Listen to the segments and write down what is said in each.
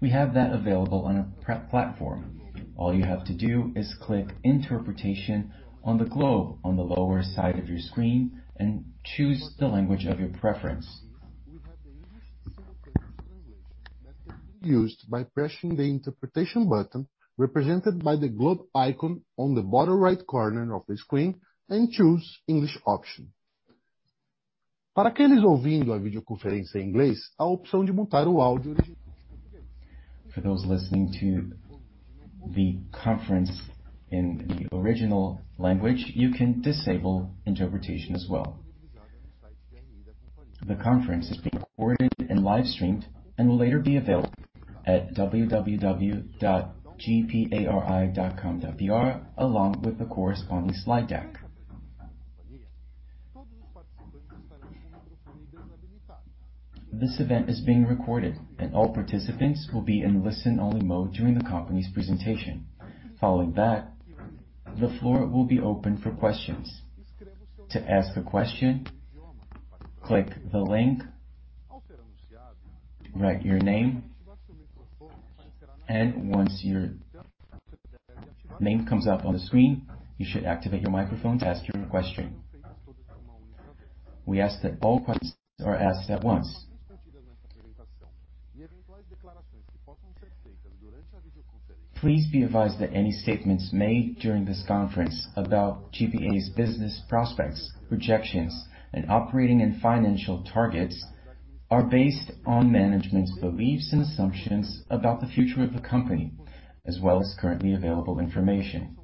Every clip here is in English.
We have that available on our platform. All you have to do is click interpretation on the globe on the lower side of your screen and choose the language of your preference. For those listening to the conference in the original language, you can disable interpretation as well. The conference is being recorded and livestreamed and will later be available at www.gpa.com.br along with the corresponding slide deck. This event is being recorded, and all participants will be in listen-only mode during the company's presentation. Following that, the floor will be open for questions. To ask a question, click the link, write your name, and once your name comes up on the screen, you should activate your microphone to ask your question. We ask that all questions are asked at once. Please be advised that any statements made during this conference about GPA's business prospects, projections, and operating and financial targets are based on management's beliefs and assumptions about the future of the company, as well as currently available information.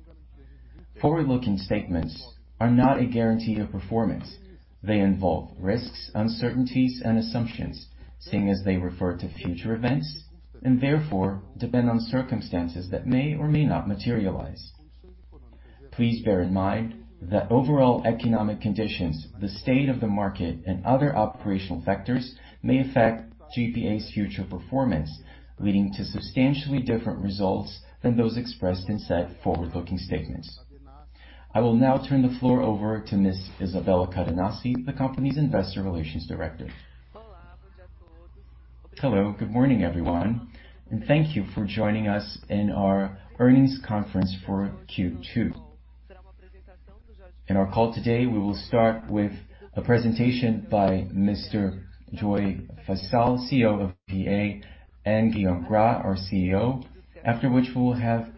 Forward-looking statements are not a guarantee of performance. They involve risks, uncertainties, and assumptions, seeing as they refer to future events and therefore depend on circumstances that may or may not materialize. Please bear in mind that overall economic conditions, the state of the market, and other operational factors may affect GPA's future performance, leading to substantially different results than those expressed in said forward-looking statements. I will now turn the floor over to Ms. Isabela Cadenassi, the company's Investor Relations Director. Hello. Good morning, everyone, and thank you for joining us in our earnings conference for Q2. In our call today, we will start with a presentation by Mr. Jorge Faiçal, CEO of GPA, and Guillaume Gras, our CEO. After which we will have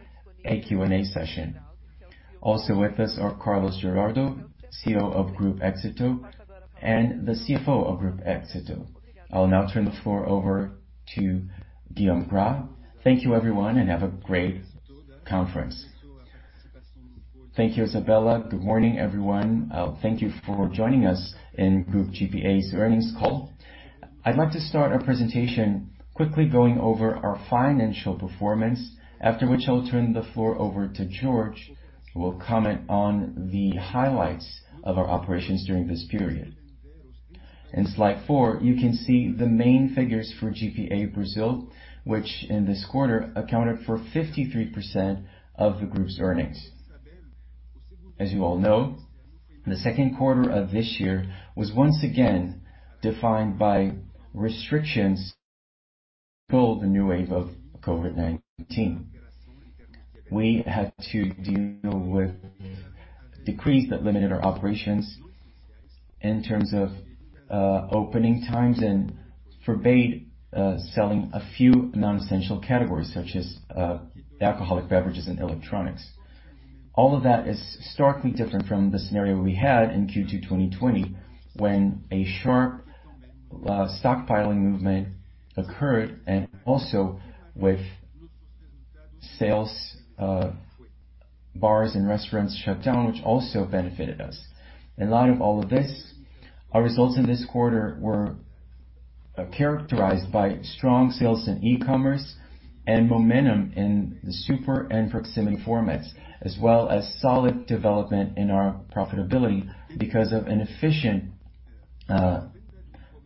a Q&A session. Also with us are Carlos Mario Giraldo Moreno, CEO of Grupo Éxito, and the CFO of Grupo Éxito. I'll now turn the floor over to Guillaume Gras. Thank you, everyone, and have a great conference. Thank you, Isabela. Good morning, everyone. Thank you for joining us in Grupo GPA's earnings call. I'd like to start our presentation quickly going over our financial performance, after which I'll turn the floor over to Jorge, who will comment on the highlights of our operations during this period. In slide four, you can see the main figures for GPA Brazil, which in this quarter accounted for 53% of the group's earnings. As you all know, the second quarter of this year was once again defined by restrictions pulled the new wave of COVID-19. We had to deal with a decree that limited our operations in terms of opening times and forbade selling a few non-essential categories such as alcoholic beverages and electronics. All of that is starkly different from the scenario we had in Q2 2020 when a sharp stockpiling movement occurred and also with sales. Bars and restaurants shut down, which also benefited us. In light of all of this, our results in this quarter were characterized by strong sales in e-commerce and momentum in the super and proximity formats, as well as solid development in our profitability because of an efficient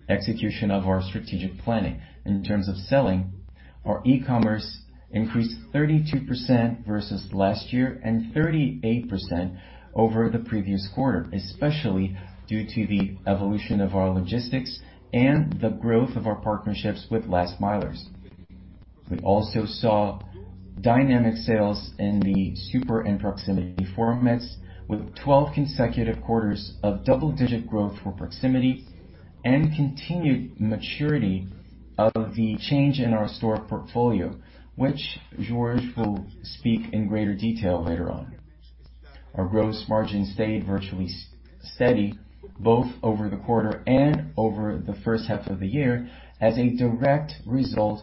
execution of our strategic planning. In terms of selling, our e-commerce increased 32% versus last year and 38% over the previous quarter, especially due to the evolution of our logistics and the growth of our partnerships with last milers. We also saw dynamic sales in the super and proximity formats with 12 consecutive quarters of double-digit growth for proximity and continued maturity of the change in our store portfolio, which Jorge will speak in greater detail later on. Our gross margin stayed virtually steady both over the quarter and over the first half of the year as a direct result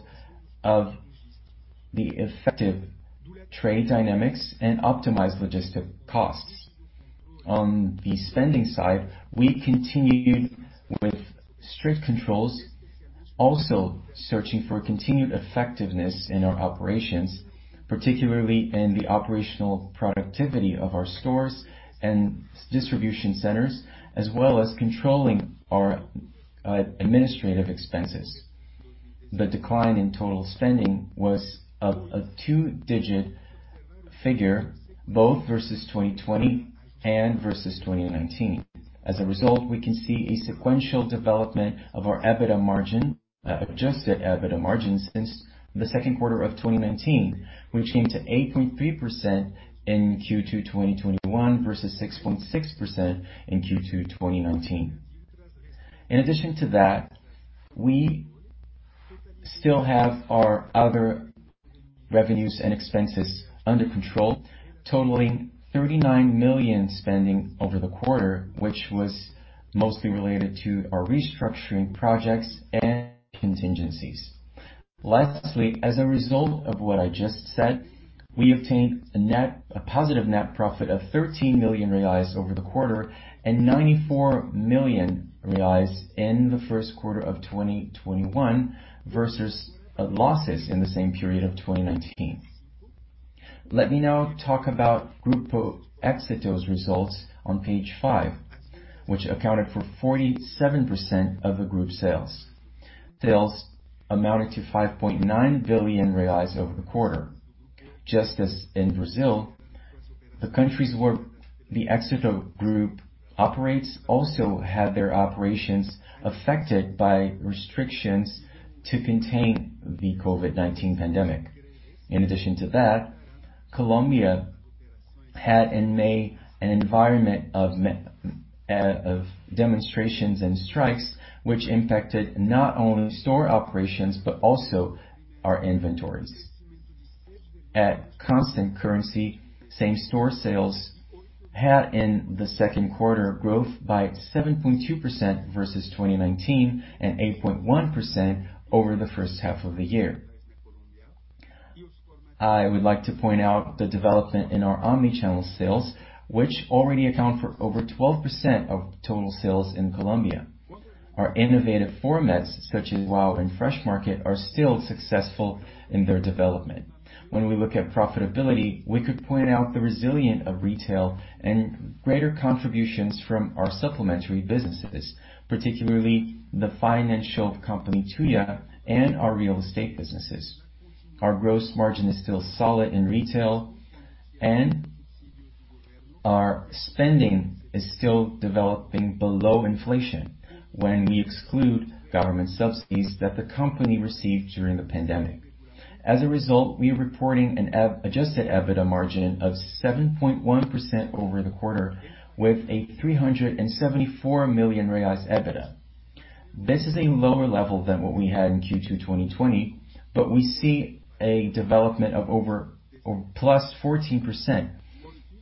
of the effective trade dynamics and optimized logistic costs. On the spending side, we continued with strict controls, also searching for continued effectiveness in our operations, particularly in the operational productivity of our stores and distribution centers, as well as controlling our administrative expenses. The decline in total spending was a two-digit figure both versus 2020 and versus 2019. As a result, we can see a sequential development of our Adjusted EBITDA margin since the second quarter of 2019, which came to 8.3% in Q2 2021 versus 6.6% in Q2 2019. In addition to that, we still have our other revenues and expenses under control, totaling 39 million spending over the quarter, which was mostly related to our restructuring projects and contingencies. Lastly, as a result of what I just said, we obtained a positive net profit of 13 million reais over the quarter and 94 million reais in the first quarter of 2021, versus losses in the same period of 2019. Let me now talk about Grupo Éxito's results on page five, which accounted for 47% of the group sales. Sales amounted to 5.9 billion reais over the quarter. Just as in Brazil, the countries where the Grupo Éxito operates also had their operations affected by restrictions to contain the COVID-19 pandemic. In addition to that, Colombia had in May an environment of demonstrations and strikes which impacted not only store operations, but also our inventories. At constant currency, same store sales had in the second quarter growth by 7.2% versus 2019 and 8.1% over the first half of the year. I would like to point out the development in our omni-channel sales, which already account for over 12% of total sales in Colombia. Our innovative formats such as WOW and Fresh Market are still successful in their development. When we look at profitability, we could point out the resilience of retail and greater contributions from our supplementary businesses, particularly the financial company, Tuya, and our real estate businesses. Our gross margin is still solid in retail and our spending is still developing below inflation when we exclude government subsidies that the company received during the pandemic. As a result, we are reporting an Adjusted EBITDA margin of 7.1% over the quarter with a 374 million reais EBITDA. This is a lower level than what we had in Q2 2020, but we see a development of over +14%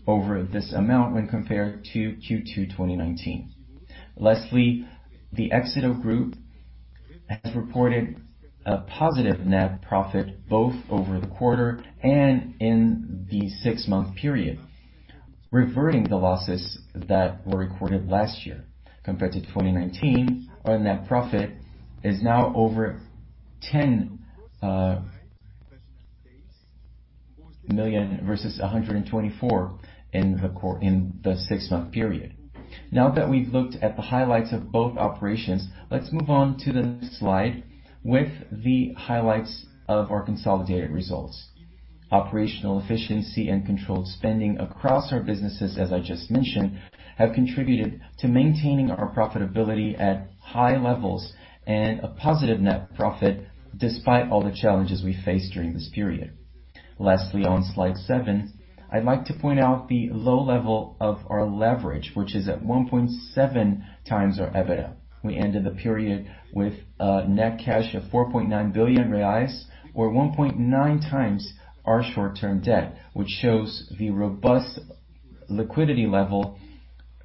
over this amount when compared to Q2 2019. Lastly, the Grupo Éxito has reported a positive net profit both over the quarter and in the six-month period, reverting the losses that were recorded last year compared to 2019. Our net profit is now over 10 million versus 124 million in the six-month period. Now that we've looked at the highlights of both operations, let's move on to the next slide with the highlights of our consolidated results. Operational efficiency and controlled spending across our businesses, as I just mentioned, have contributed to maintaining our profitability at high levels and a positive net profit despite all the challenges we faced during this period. Lastly, on slide seven, I'd like to point out the low level of our leverage, which is at 1.7x our EBITDA. We ended the period with a net cash of 4.9 billion reais or 1.9x our short-term debt, which shows the robust liquidity level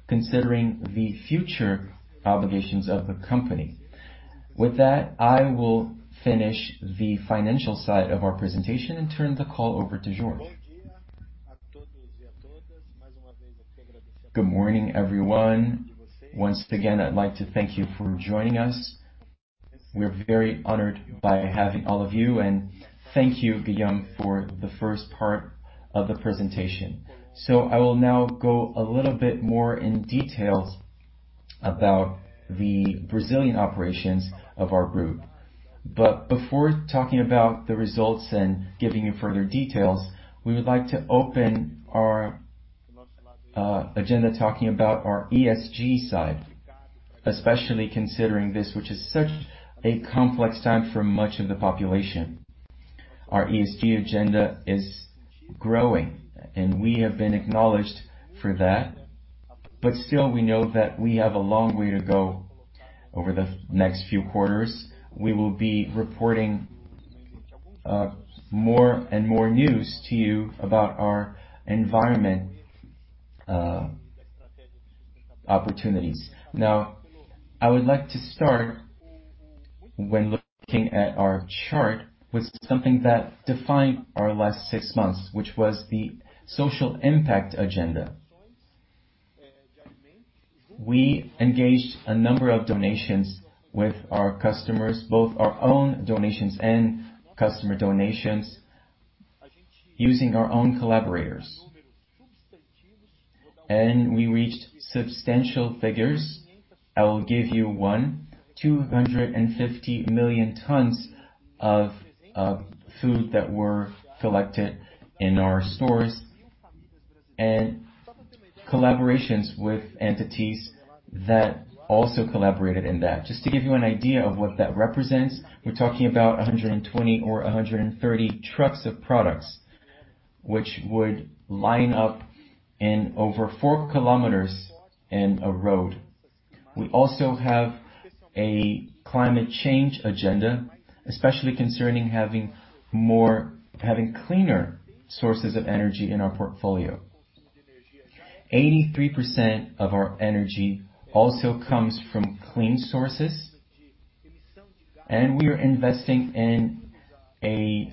considering the future obligations of the company. With that, I will finish the financial side of our presentation and turn the call over to Jorge. Good morning, everyone. Once again, I'd like to thank you for joining us. We're very honored by having all of you and thank you, Guillaume, for the first part of the presentation. I will now go a little bit more in details about the Brazilian operations of our group. Before talking about the results and giving you further details, we would like to open our agenda talking about our ESG side, especially considering this, which is such a complex time for much of the population. Our ESG agenda is growing and we have been acknowledged for that. Still, we know that we have a long way to go over the next few quarters. We will be reporting more and more news to you about our environment opportunities. I would like to start when looking at our chart with something that defined our last six months, which was the social impact agenda. We engaged a number of donations with our customers, both our own donations and customer donations using our own collaborators. We reached substantial figures. I will give you 1, 250 million tons of food that were collected in our stores, and collaborations with entities that also collaborated in that. Just to give you an idea of what that represents, we're talking about 120 or 130 trucks of products, which would line up in over 4 km in a road. We also have a climate change agenda, especially concerning having cleaner sources of energy in our portfolio. 83% of our energy also comes from clean sources, and we are investing in an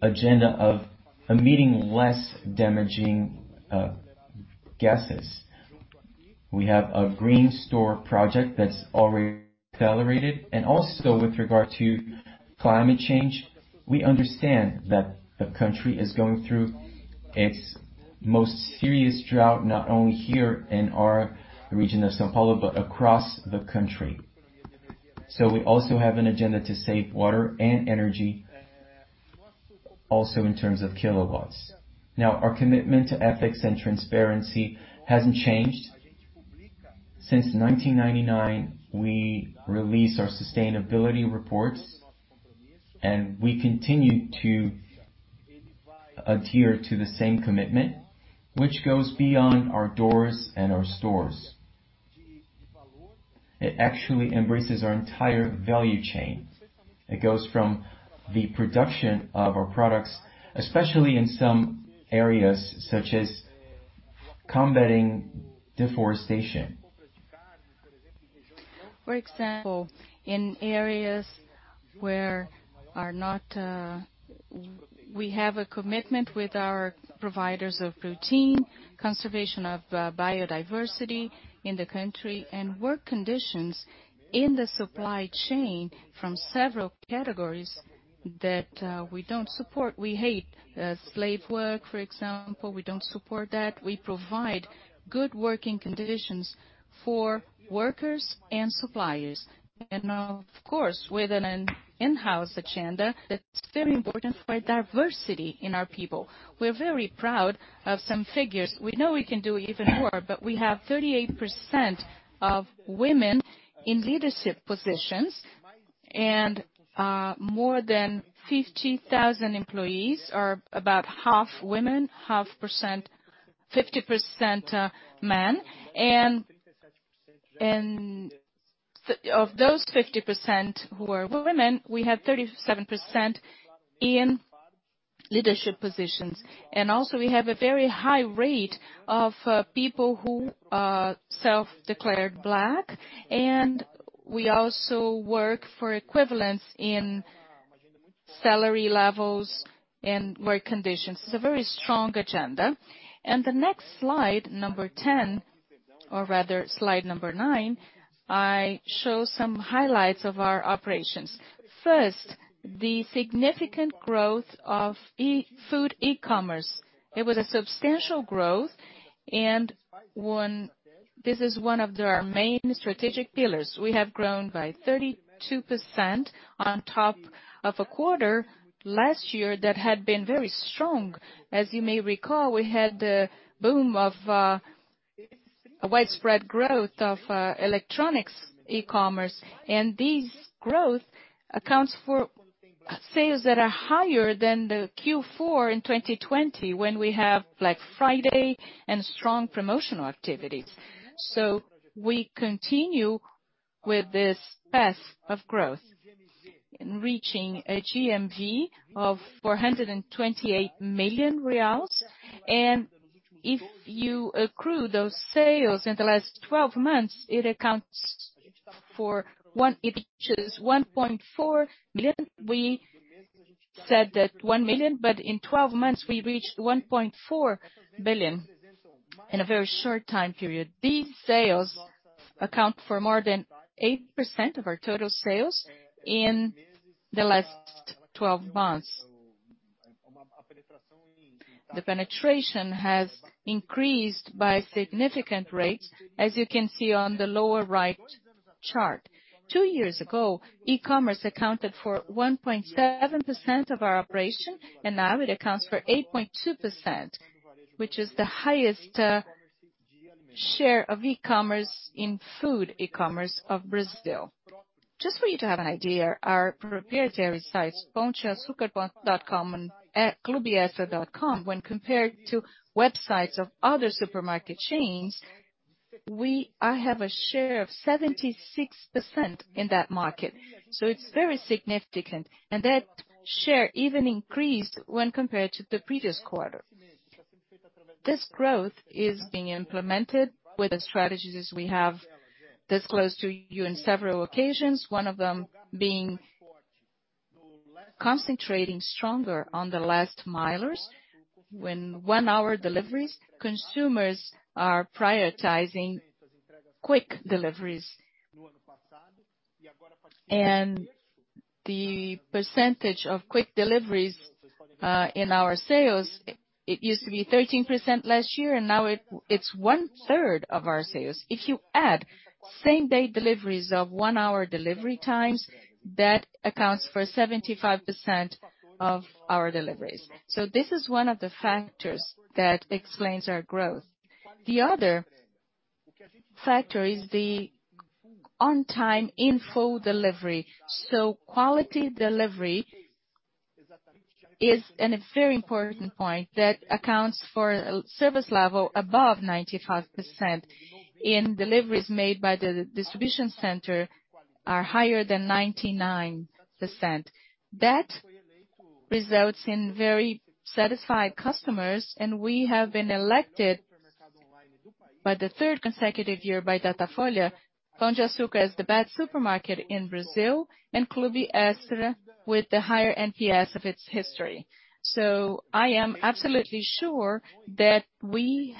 agenda of emitting less damaging gases. We have a green store project that is already accelerated, and also with regard to climate change, we understand that the country is going through its most serious drought, not only here in our region of São Paulo, but across the country. We also have an agenda to save water and energy, also in terms of kilowatts. Our commitment to ethics and transparency hasn't changed. Since 1999, we release our sustainability reports, and we continue to adhere to the same commitment, which goes beyond our doors and our stores. It actually embraces our entire value chain. It goes from the production of our products, especially in some areas, such as combating deforestation. For example, in areas where we have a commitment with our providers of routine, conservation of biodiversity in the country, and work conditions in the supply chain from several categories that we don't support. We hate slave work, for example. We don't support that. We provide good working conditions for workers and suppliers. Of course, with an in-house agenda that's very important for diversity in our people. We're very proud of some figures. We know we can do even more, but we have 38% of women in leadership positions, and more than 50,000 employees are about half women, 50% men. Of those 50% who are women, we have 37% in leadership positions. Also we have a very high rate of people who are self-declared Black. We also work for equivalence in salary levels and work conditions. It's a very strong agenda. The next slide, number 10, or rather slide number nine, I show some highlights of our operations. First, the significant growth of food e-commerce. It was a substantial growth, and this is one of our main strategic pillars. We have grown by 32% on top of a quarter last year that had been very strong. As you may recall, we had a widespread growth of electronics e-commerce. This growth accounts for sales that are higher than the Q4 in 2020, when we have Black Friday and strong promotional activities. We continue with this path of growth in reaching a GMV of 428 million reais. If you accrue those sales in the last 12 months, it reaches 1.4 billion. We said that 1 billion, but in 12 months, we reached 1.4 billion in a very short time period. These sales account for more than 8% of our total sales in the last 12 months. The penetration has increased by significant rates, as you can see on the lower right chart. Two years ago, e-commerce accounted for 1.7% of our operation, now it accounts for 8.2%, which is the highest share of e-commerce in food e-commerce of Brazil. Just for you to have an idea, our proprietary sites, Pontofrio, paodeacucar.com.br and clubeextra.com.br, when compared to websites of other supermarket chains, I have a share of 76% in that market. It's very significant. That share even increased when compared to the previous quarter. This growth is being implemented with the strategies we have disclosed to you in several occasions. One of them being concentrating stronger on the last milers. Consumers are prioritizing quick deliveries. The percentage of quick deliveries in our sales, it used to be 13% last year, and now it's one third of our sales. If you add same-day deliveries of one-hour delivery times, that accounts for 75% of our deliveries. This is one of the factors that explains our growth. The other factor is the on-time in-full delivery. Quality delivery is a very important point that accounts for a service level above 95%, and deliveries made by the distribution center are higher than 99%. That results in very satisfied customers, and we have been elected by the third consecutive year by Datafolha, Pão de Açúcar as the best supermarket in Brazil and Clube Extra with the higher NPS of its history. I am absolutely sure that one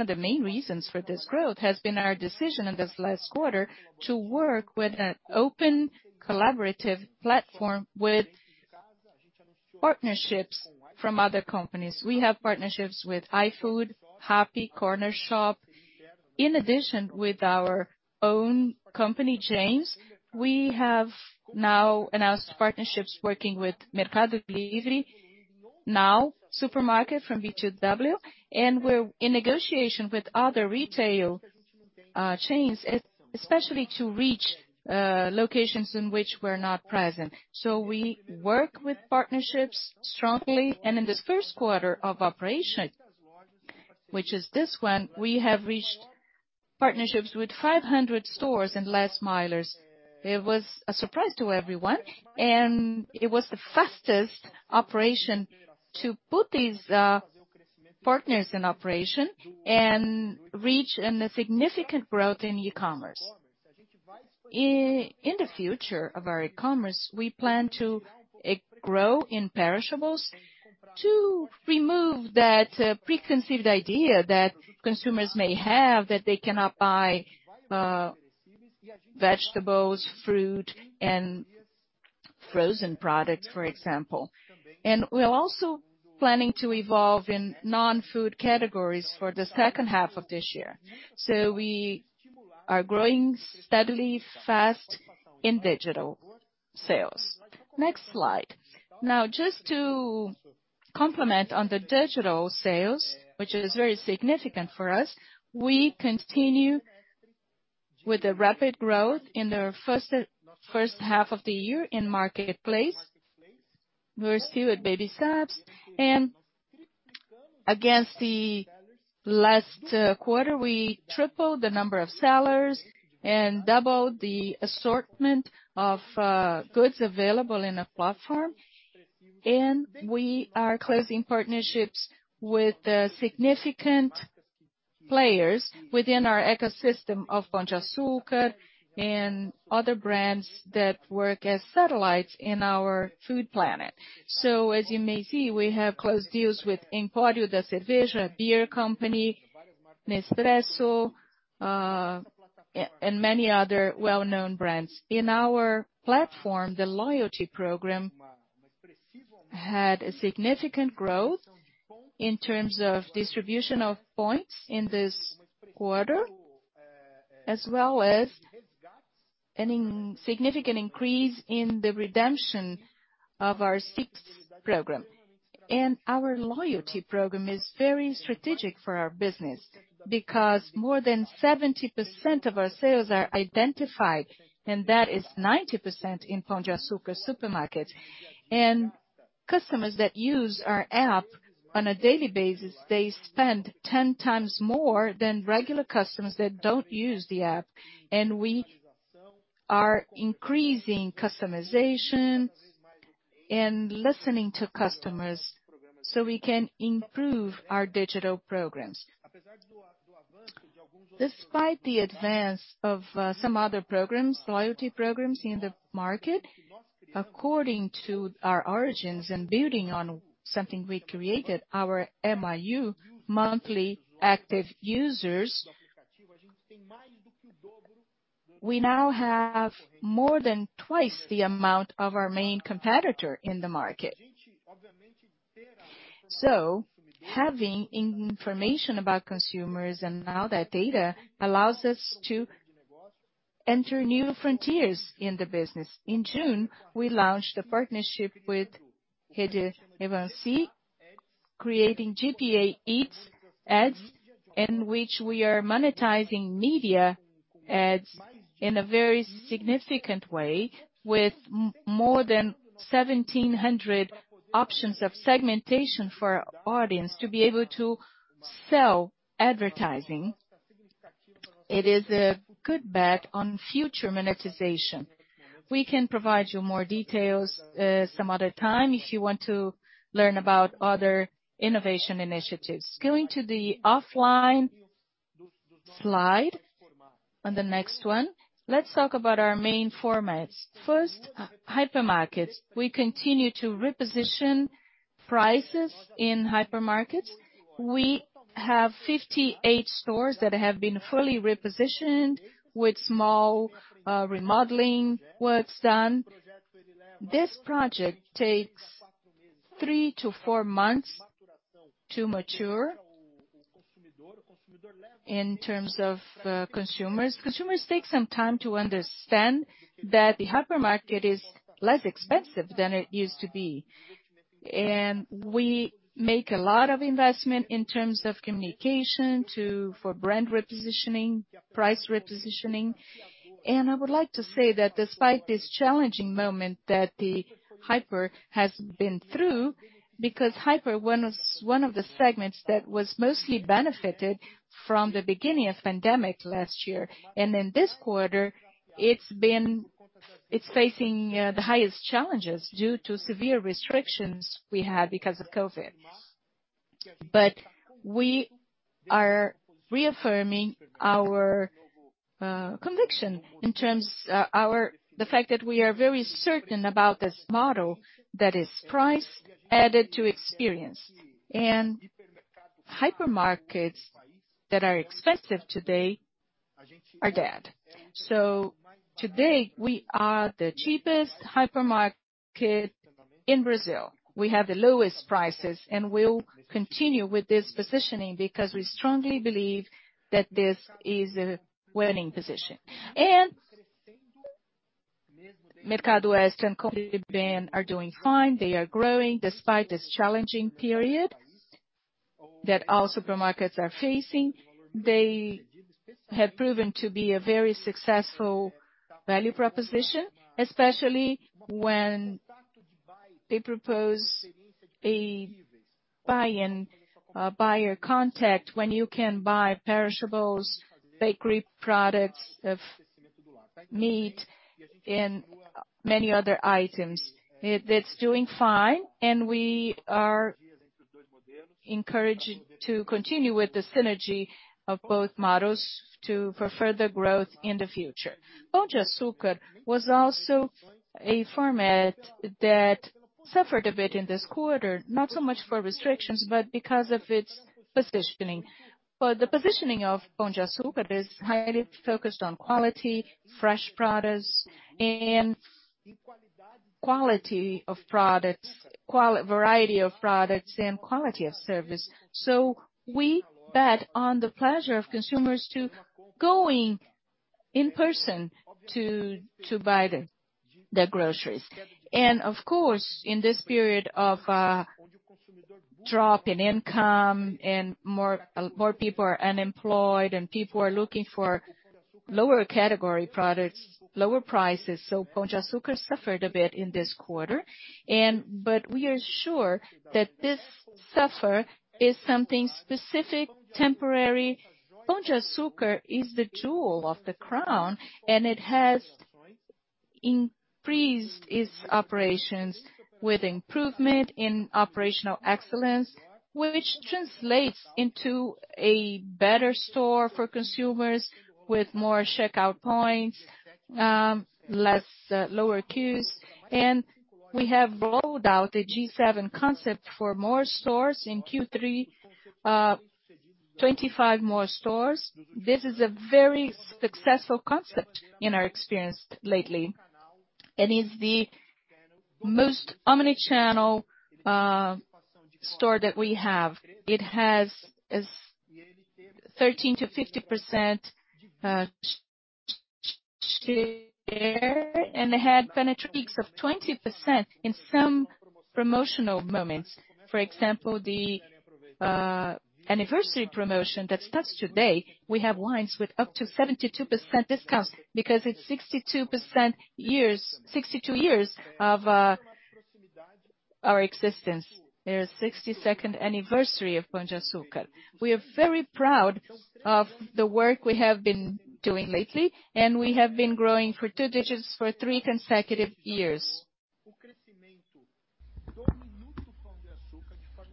of the main reasons for this growth has been our decision in this last quarter to work with an open, collaborative platform with partnerships from other companies. We have partnerships with iFood, Rappi, Cornershop. In addition with our own company chains, we have now announced partnerships working with Mercado Livre, Now supermarket from B2W, and we're in negotiation with other retail chains, especially to reach locations in which we're not present. We work with partnerships strongly, and in this first quarter of operation, which is this one, we have reached partnerships with 500 stores and last milers. It was a surprise to everyone, and it was the fastest operation to put these partners in operation and reach a significant growth in e-commerce. In the future of our e-commerce, we plan to grow in perishables to remove that preconceived idea that consumers may have that they cannot buy vegetables, fruit, and frozen products, for example. We're also planning to evolve in non-food categories for the second half of this year. We are growing steadily fast in digital sales. Next slide. Just to complement on the digital sales, which is very significant for us, we continue with the rapid growth in the first half of the year in marketplace. We're still at baby steps, and against the last quarter, we tripled the number of sellers and doubled the assortment of goods available in the platform. We are closing partnerships with significant players within our ecosystem of Pão de Açúcar and other brands that work as satellites in our food planet. As you may see, we have closed deals with Empório da Cerveja beer company, Nespresso, and many other well-known brands. In our platform, the loyalty program had a significant growth in terms of distribution of points in this quarter, as well as a significant increase in the redemption of our Stix program. Our loyalty program is very strategic for our business because more than 70% of our sales are identified, and that is 90% in Pão de Açúcar supermarket. Customers that use our app on a daily basis, they spend 10x more than regular customers that don't use the app. We are increasing customization and listening to customers so we can improve our digital programs. Despite the advance of some other loyalty programs in the market, according to our origins and building on something we created, our MAU, monthly active users, we now have more than twice the amount of our main competitor in the market. Having information about consumers and now that data allows us to enter new frontiers in the business. In June, we launched a partnership with relevanC, creating GPA Eats Ads, in which we are monetizing media ads in a very significant way with more than 1,700 options of segmentation for our audience to be able to sell advertising. It is a good bet on future monetization. We can provide you more details some other time if you want to learn about other innovation initiatives. Going to the offline slide, on the next one. Let's talk about our main formats. First, hypermarkets. We continue to reposition prices in hypermarkets. We have 58 stores that have been fully repositioned with small remodeling works done. This project takes three to four months to mature in terms of consumers. Consumers take some time to understand that the hypermarket is less expensive than it used to be. We make a lot of investment in terms of communication for brand repositioning, price repositioning. I would like to say that despite this challenging moment that the hyper has been through, because hyper one was one of the segments that was mostly benefited from the beginning of pandemic last year. In this quarter, it's facing the highest challenges due to severe restrictions we had because of COVID-19. We are reaffirming our conviction in terms the fact that we are very certain about this model that is price added to experience. Hypermarkets that are expensive today are dead. Today, we are the cheapest hypermarket in Brazil. We have the lowest prices, and we'll continue with this positioning because we strongly believe that this is a winning position. Mercado Extra and Compre Bem are doing fine. They are growing despite this challenging period that all supermarkets are facing. They have proven to be a very successful value proposition, especially when they propose a buy-in, buyer contact, when you can buy perishables, bakery products, meat, and many other items. It's doing fine, and we are encouraged to continue with the synergy of both models for further growth in the future. Pão de Açúcar was also a format that suffered a bit in this quarter, not so much for restrictions, but because of its positioning. The positioning of Pão de Açúcar is highly focused on quality, fresh products, and quality of products, variety of products, and quality of service. We bet on the pleasure of consumers to going in person to buy their groceries. Of course, in this period of a drop in income and more people are unemployed and people are looking for lower category products, lower prices, so Pão de Açúcar suffered a bit in this quarter. We are sure that this suffer is something specific, temporary. Pão de Açúcar is the jewel of the crown, and it has increased its operations with improvement in operational excellence, which translates into a better store for consumers with more checkout points, lower queues. We have rolled out a G7 concept for more stores in Q3, 25 more stores. This is a very successful concept in our experience lately. Is the most omni-channel store that we have. It has 13%-15% share, and they had penetrations of 20% in some promotional moments. For example, the anniversary promotion that starts today, we have wines with up to 72% discount because it's 62 years of our existence. It is 62nd anniversary of Pão de Açúcar. We are very proud of the work we have been doing lately, and we have been growing for two digits for three consecutive years.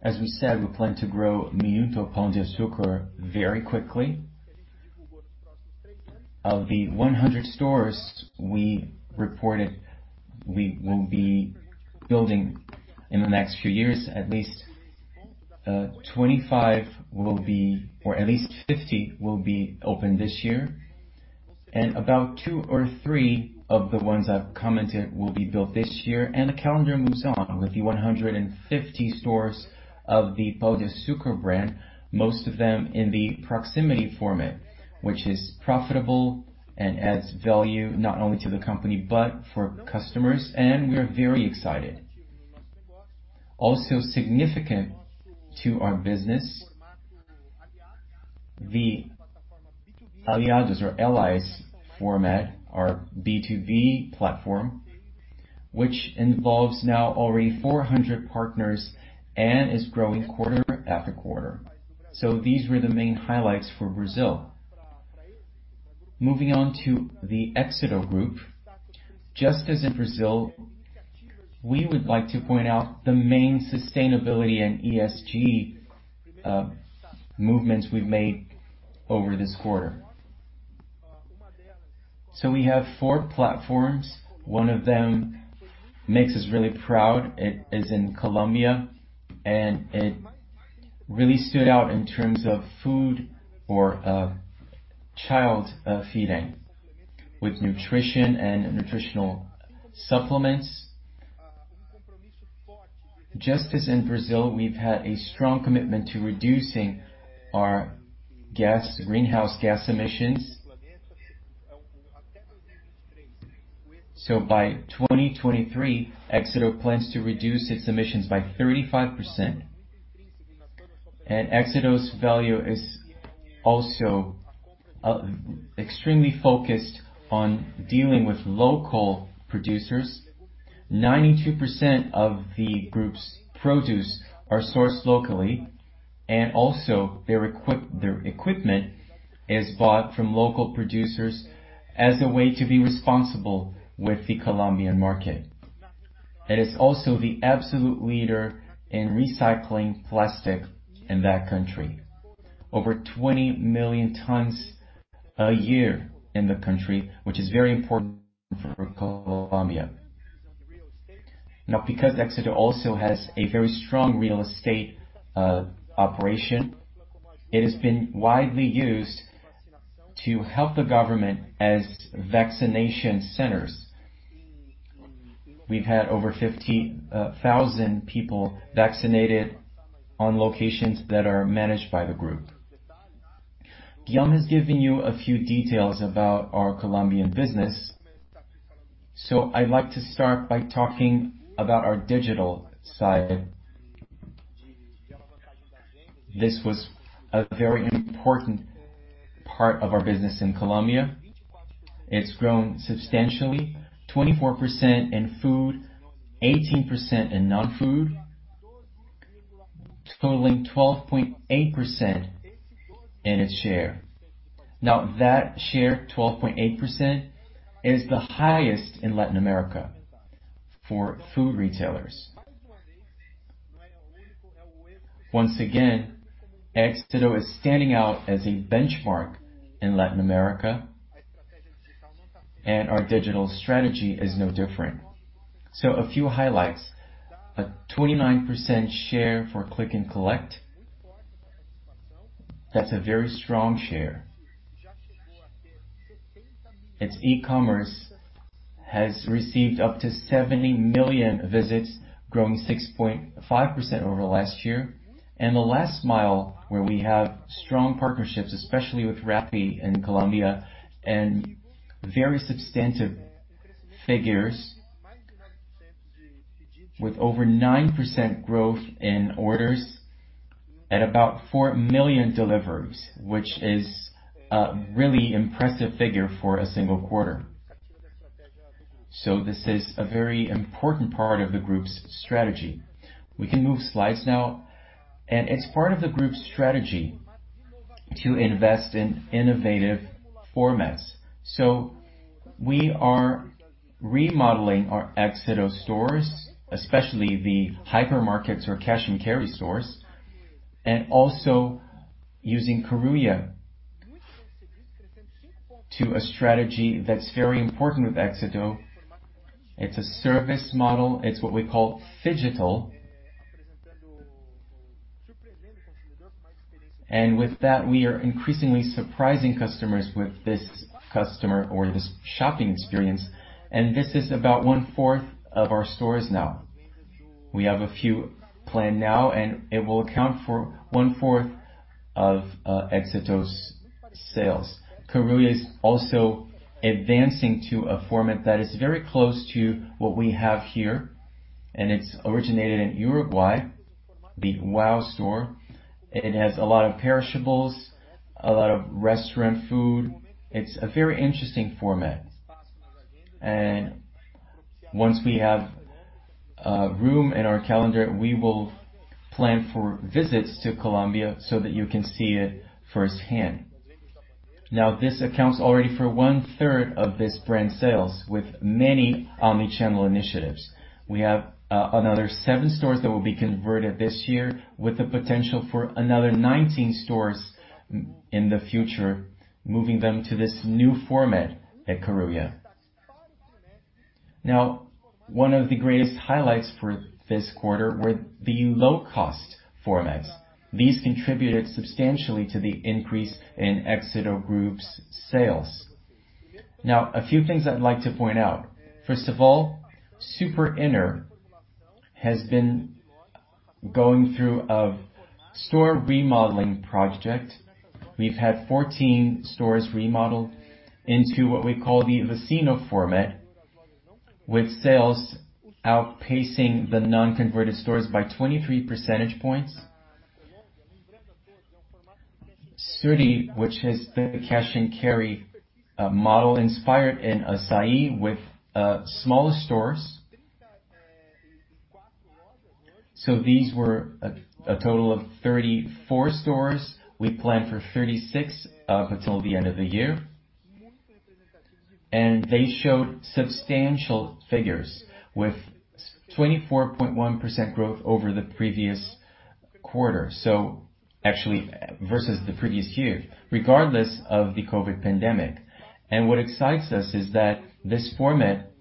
As we said, we plan to grow Minuto Pão de Açúcar very quickly. Of the 100 stores we reported, we will be building in the next few years, at least 25 will be, or at least 50 will be open this year. About two or three of the ones I've commented will be built this year. The calendar moves on with the 150 stores of the Pão de Açúcar brand, most of them in the proximity format, which is profitable and adds value not only to the company but for customers. We're very excited. Also significant to our business, the Aliados or Allies format, our B2B platform, which involves now already 400 partners and is growing quarter after quarter. These were the main highlights for Brazil. Moving on to the Grupo Éxito. Just as in Brazil, we would like to point out the main sustainability and ESG movements we've made over this quarter. We have four platforms. One of them makes us really proud. It is in Colombia, and it really stood out in terms of food or child feeding with nutrition and nutritional supplements. Just as in Brazil, we've had a strong commitment to reducing our greenhouse gas emissions. By 2023, Éxito plans to reduce its emissions by 35%. Éxito's value is also extremely focused on dealing with local producers. 92% of the group's produce are sourced locally, and also their equipment is bought from local producers as a way to be responsible with the Colombian market. It is also the absolute leader in recycling plastic in that country. Over 20 million tons a year in the country, which is very important for Colombia. Because Éxito also has a very strong real estate operation, it has been widely used to help the government as vaccination centers. We've had over 15,000 people vaccinated on locations that are managed by the group. Guillaume has given you a few details about our Colombian business. I'd like to start by talking about our digital side. This was a very important part of our business in Colombia. It's grown substantially, 24% in food, 18% in non-food, totaling 12.8% in its share. That share, 12.8%, is the highest in Latin America for food retailers. Once again, Éxito is standing out as a benchmark in Latin America, and our digital strategy is no different. A few highlights, a 29% share for click and collect. That's a very strong share. Its e-commerce has received up to 70 million visits, growing 6.5% over last year. The last mile, where we have strong partnerships, especially with Rappi in Colombia, and very substantive figures with over 9% growth in orders at about 4 million deliveries, which is a really impressive figure for a single quarter. This is a very important part of the group's strategy. We can move slides now. It's part of the group's strategy to invest in innovative formats. We are remodeling our Éxito stores, especially the hypermarkets or cash and carry stores, and also using Carulla to a strategy that's very important with Éxito. It's a service model. It's what we call phygital. With that, we are increasingly surprising customers with this customer or this shopping experience. This is about 1/4 of our stores now. We have a few planned now, and it will account for 1/4 of Éxito's sales. Carulla is also advancing to a format that is very close to what we have here, and it's originated in Uruguay, the WOW store. It has a lot of perishables, a lot of restaurant food. It's a very interesting format. Once we have room in our calendar, we will plan for visits to Colombia so that you can see it firsthand. Now, this accounts already for 1/3 of this brand sales with many omni-channel initiatives. We have another seven stores that will be converted this year with the potential for another 19 stores in the future, moving them to this new format at Carulla. Now, one of the greatest highlights for this quarter were the low cost formats. These contributed substantially to the increase in Grupo Éxito's sales. Now, a few things I'd like to point out. First of all, Super Inter has been going through a store remodeling project. We've had 14 stores remodeled into what we call the Vecino format, with sales outpacing the non-converted stores by 23 percentage points. Surtimayorista, which has been a cash and carry model inspired in Assaí with smaller stores. These were a total of 34 stores. We plan for 36 up until the end of the year. They showed substantial figures with 24.1% growth over the previous quarter, actually versus the previous year, regardless of the COVID-19 pandemic. What excites us is that this format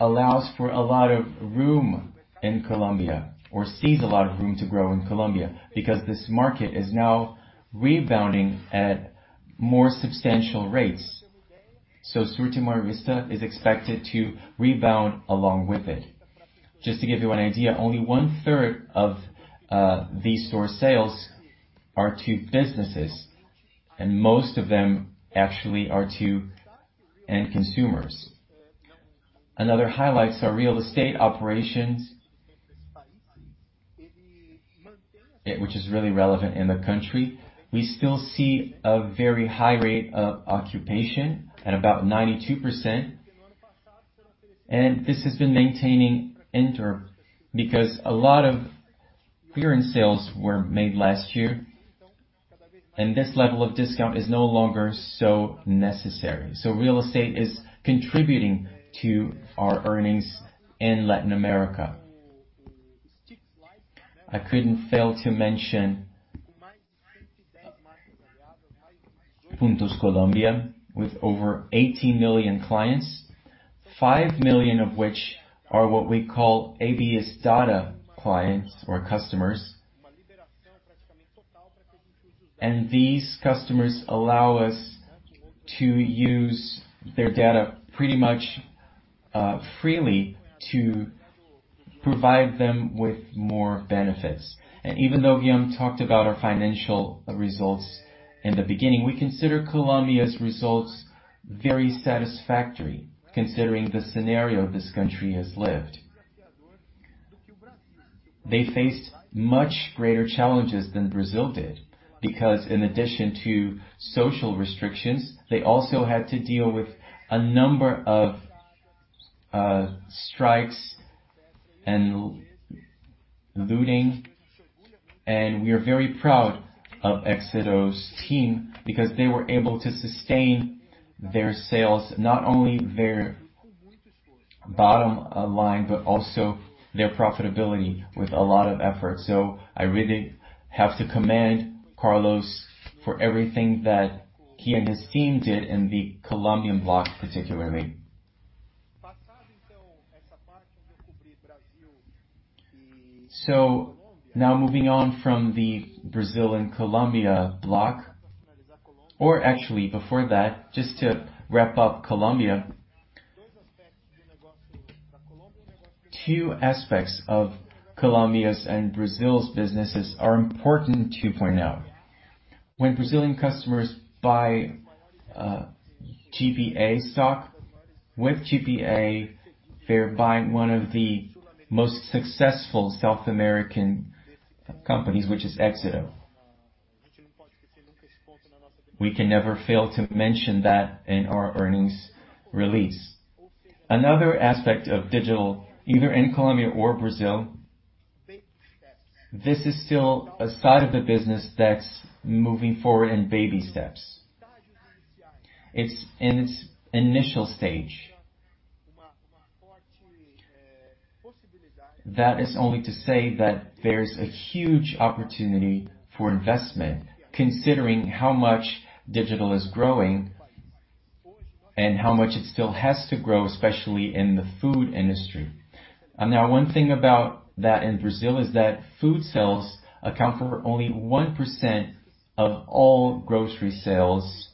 allows for a lot of room in Colombia, or sees a lot of room to grow in Colombia, because this market is now rebounding at more substantial rates. Surtimayorista is expected to rebound along with it. Just to give you an idea, only one third of these store sales are to businesses, and most of them actually are to end consumers. Another highlight is our real estate operations, which is really relevant in the country. We still see a very high rate of occupation at about 92%, and this has been maintaining interim because a lot of clearance sales were made last year, and this level of discount is no longer so necessary. Real estate is contributing to our earnings in Latin America. I couldn't fail to mention Puntos Colombia with over 18 million clients, 5 million of which are what we call ABS data clients or customers. These customers allow us to use their data pretty much freely to provide them with more benefits. Even though Guillaume talked about our financial results in the beginning, we consider Colombia's results very satisfactory considering the scenario this country has lived. They faced much greater challenges than Brazil did because in addition to social restrictions, they also had to deal with a number of strikes and looting. We are very proud of Éxito's team because they were able to sustain their sales, not only their bottom line, but also their profitability with a lot of effort. I really have to commend Carlos for everything that he and his team did in the Colombian block, particularly. Now moving on from the Brazil and Colombia block, or actually before that, just to wrap up Colombia. Two aspects of Colombia's and Brazil's businesses are important to point out. When Brazilian customers buy GPA stock with GPA, they're buying one of the most successful South American companies, which is Éxito. We can never fail to mention that in our earnings release. Another aspect of digital, either in Colombia or Brazil, this is still a side of the business that's moving forward in baby steps. It's in its initial stage. That is only to say that there's a huge opportunity for investment considering how much digital is growing and how much it still has to grow, especially in the food industry. One thing about that in Brazil is that food sales account for only 1% of all grocery sales,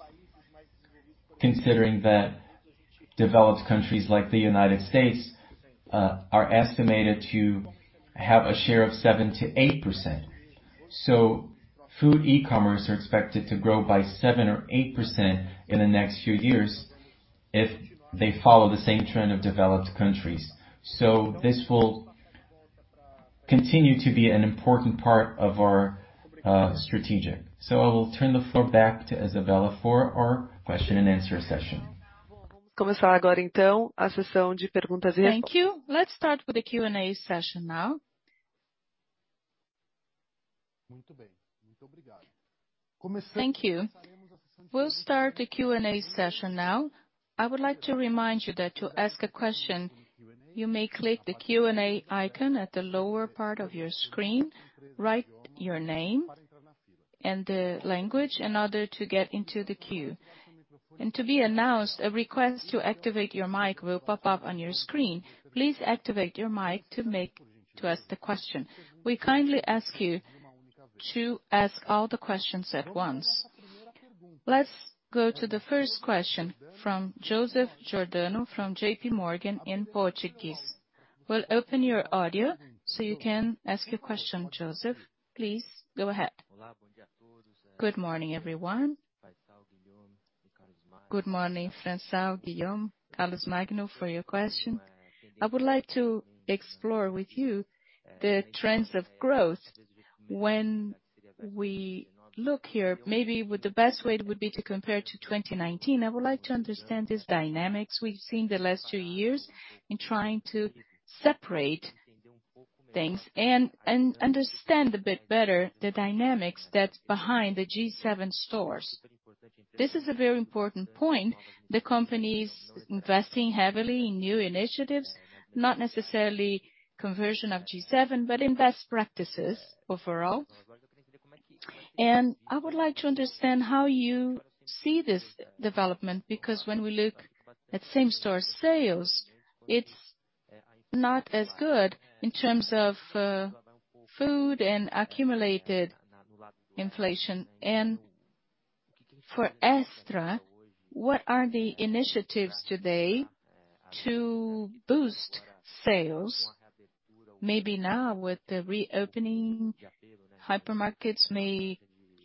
considering that developed countries like the U.S. are estimated to have a share of 7%-8%. Food e-commerce are expected to grow by 7% or 8% in the next few years if they follow the same trend of developed countries. This will continue to be an important part of our strategic. I will turn the floor back to Isabela for our question and answer session. Thank you. Let's start with the Q&A session now. Thank you. We'll start the Q&A session now. I would like to remind you that to ask a question, you may click the Q&A icon at the lower part of your screen, write your name and the language in order to get into the queue. To be announced, a request to activate your mic will pop up on your screen. Please activate your mic to ask the question. We kindly ask you to ask all the questions at once. Let's go to the first question from Joseph Giordano from JPMorgan in Portuguese. We'll open your audio so you can ask your question, Joseph. Please go ahead. Good morning, everyone. Good morning, Faiçal, Guillaume, Carlos Mario. For your question, I would like to explore with you the trends of growth. When we look here, maybe the best way would be to compare to 2019. I would like to understand these dynamics we've seen the last two years in trying to separate things and understand a bit better the dynamics that's behind the G7 stores. This is a very important point. The company's investing heavily in new initiatives, not necessarily conversion of G7, but in best practices overall. I would like to understand how you see this development, because when we look at same-store sales, it's not as good in terms of food and accumulated inflation. For Extra, what are the initiatives today to boost sales? Maybe now with the reopening, hypermarkets may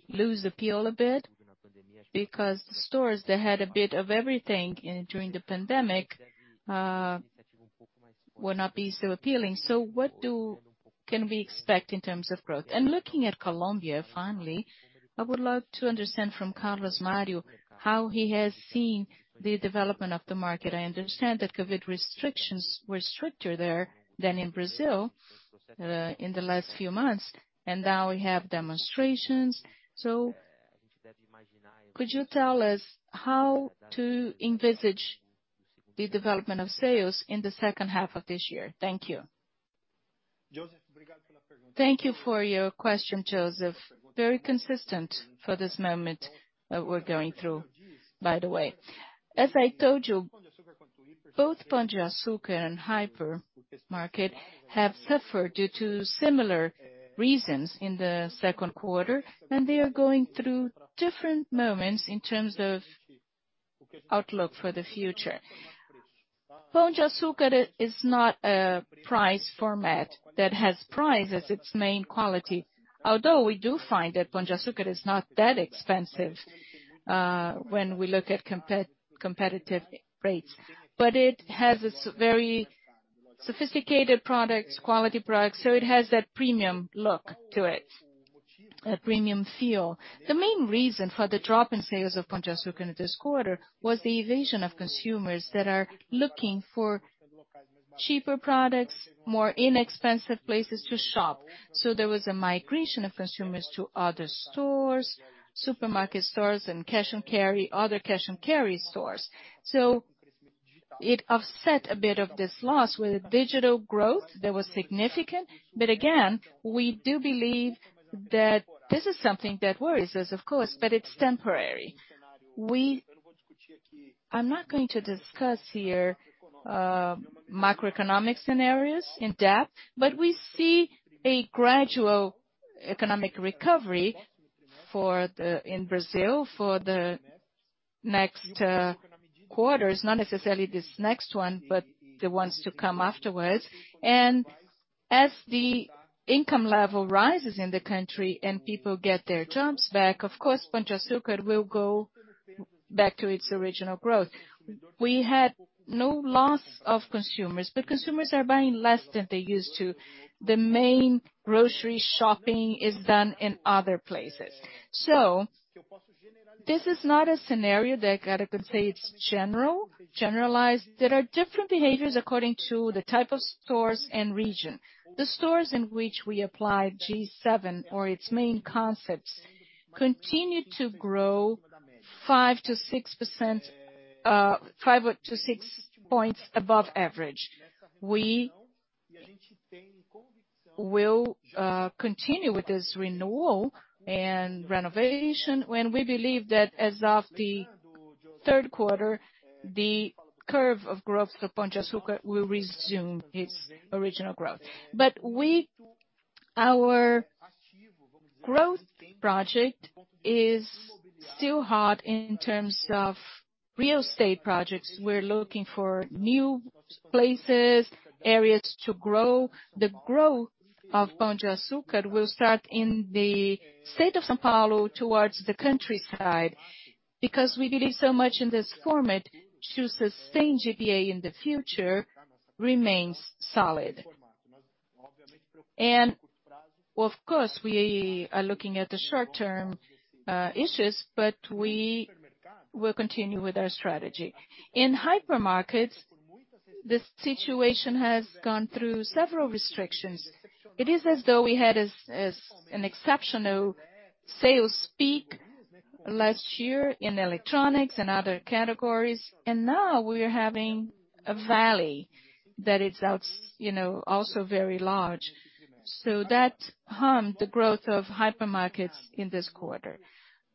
lose appeal a bit because stores that had a bit of everything during the pandemic, will not be so appealing. What can we expect in terms of growth? Looking at Colombia, finally, I would love to understand from Carlos Mario how he has seen the development of the market. I understand that COVID restrictions were stricter there than in Brazil in the last few months, and now we have demonstrations. Could you tell us how to envisage the development of sales in the second half of this year? Thank you. Thank you for your question, Joseph. Very consistent for this moment that we're going through, by the way. As I told you, both Pão de Açúcar and hypermarket have suffered due to similar reasons in the second quarter, and they are going through different moments in terms of outlook for the future. Pão de Açúcar is not a price format that has price as its main quality, although we do find that Pão de Açúcar is not that expensive when we look at competitive rates. It has its very sophisticated products, quality products. It has that premium look to it, a premium feel. The main reason for the drop in sales of Pão de Açúcar this quarter was the evasion of consumers that are looking for cheaper products, more inexpensive places to shop. There was a migration of consumers to other stores, supermarket stores, and other cash-and-carry stores. It offset a bit of this loss with digital growth that was significant. Again, we do believe that this is something that worries us, of course, but it's temporary. I'm not going to discuss here macroeconomic scenarios in depth, but we see a gradual economic recovery in Brazil for the next quarters, not necessarily this next one, but the ones to come afterwards. As the income level rises in the country and people get their jobs back, of course, Pão de Açúcar will go back to its original growth. We had no loss of consumers are buying less than they used to. The main grocery shopping is done in other places. This is not a scenario that I can say it's generalized. There are different behaviors according to the type of stores and region. The stores in which we apply G7 or its main concepts continue to grow 5 to 6 points above average. We will continue with this renewal and renovation when we believe that as of the third quarter, the curve of growth for Pão de Açúcar will resume its original growth. Our growth project is still hard in terms of real estate projects. We're looking for new places, areas to grow. The growth of Pão de Açúcar will start in the state of São Paulo towards the countryside because we believe so much in this format to sustain GPA in the future remains solid. Of course, we are looking at the short-term issues, but we will continue with our strategy. In hypermarkets, the situation has gone through several restrictions. It is as though we had an exceptional sales peak last year in electronics and other categories, and now we are having a valley that is also very large. That harmed the growth of hypermarkets in this quarter.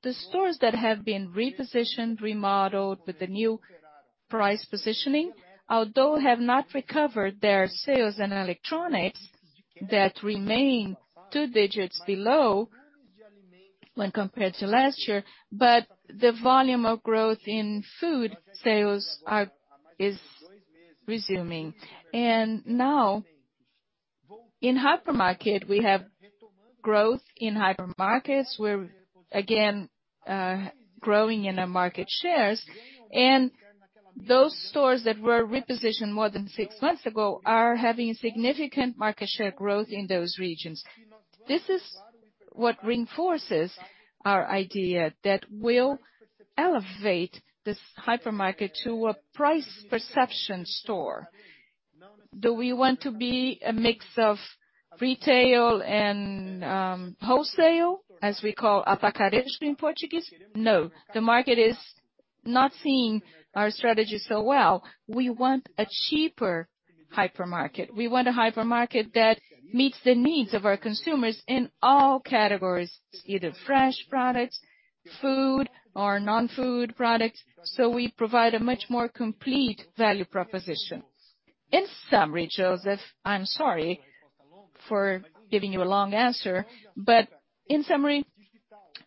The stores that have been repositioned, remodeled with the new price positioning, although have not recovered their sales in electronics, that remain two digits below when compared to last year, but the volume of growth in food sales is resuming. Now in hypermarket, we have growth in hypermarkets. We're again growing in our market shares. Those stores that were repositioned more than six months ago are having significant market share growth in those regions. This is what reinforces our idea that we'll elevate this hypermarket to a price perception store. Do we want to be a mix of retail and wholesale, as we call atacarejo in Portuguese? No, the market is not seeing our strategy so well. We want a cheaper hypermarket. We want a hypermarket that meets the needs of our consumers in all categories, either fresh products, food or non-food products. We provide a much more complete value proposition. In summary, Joseph, I'm sorry for giving you a long answer, but in summary,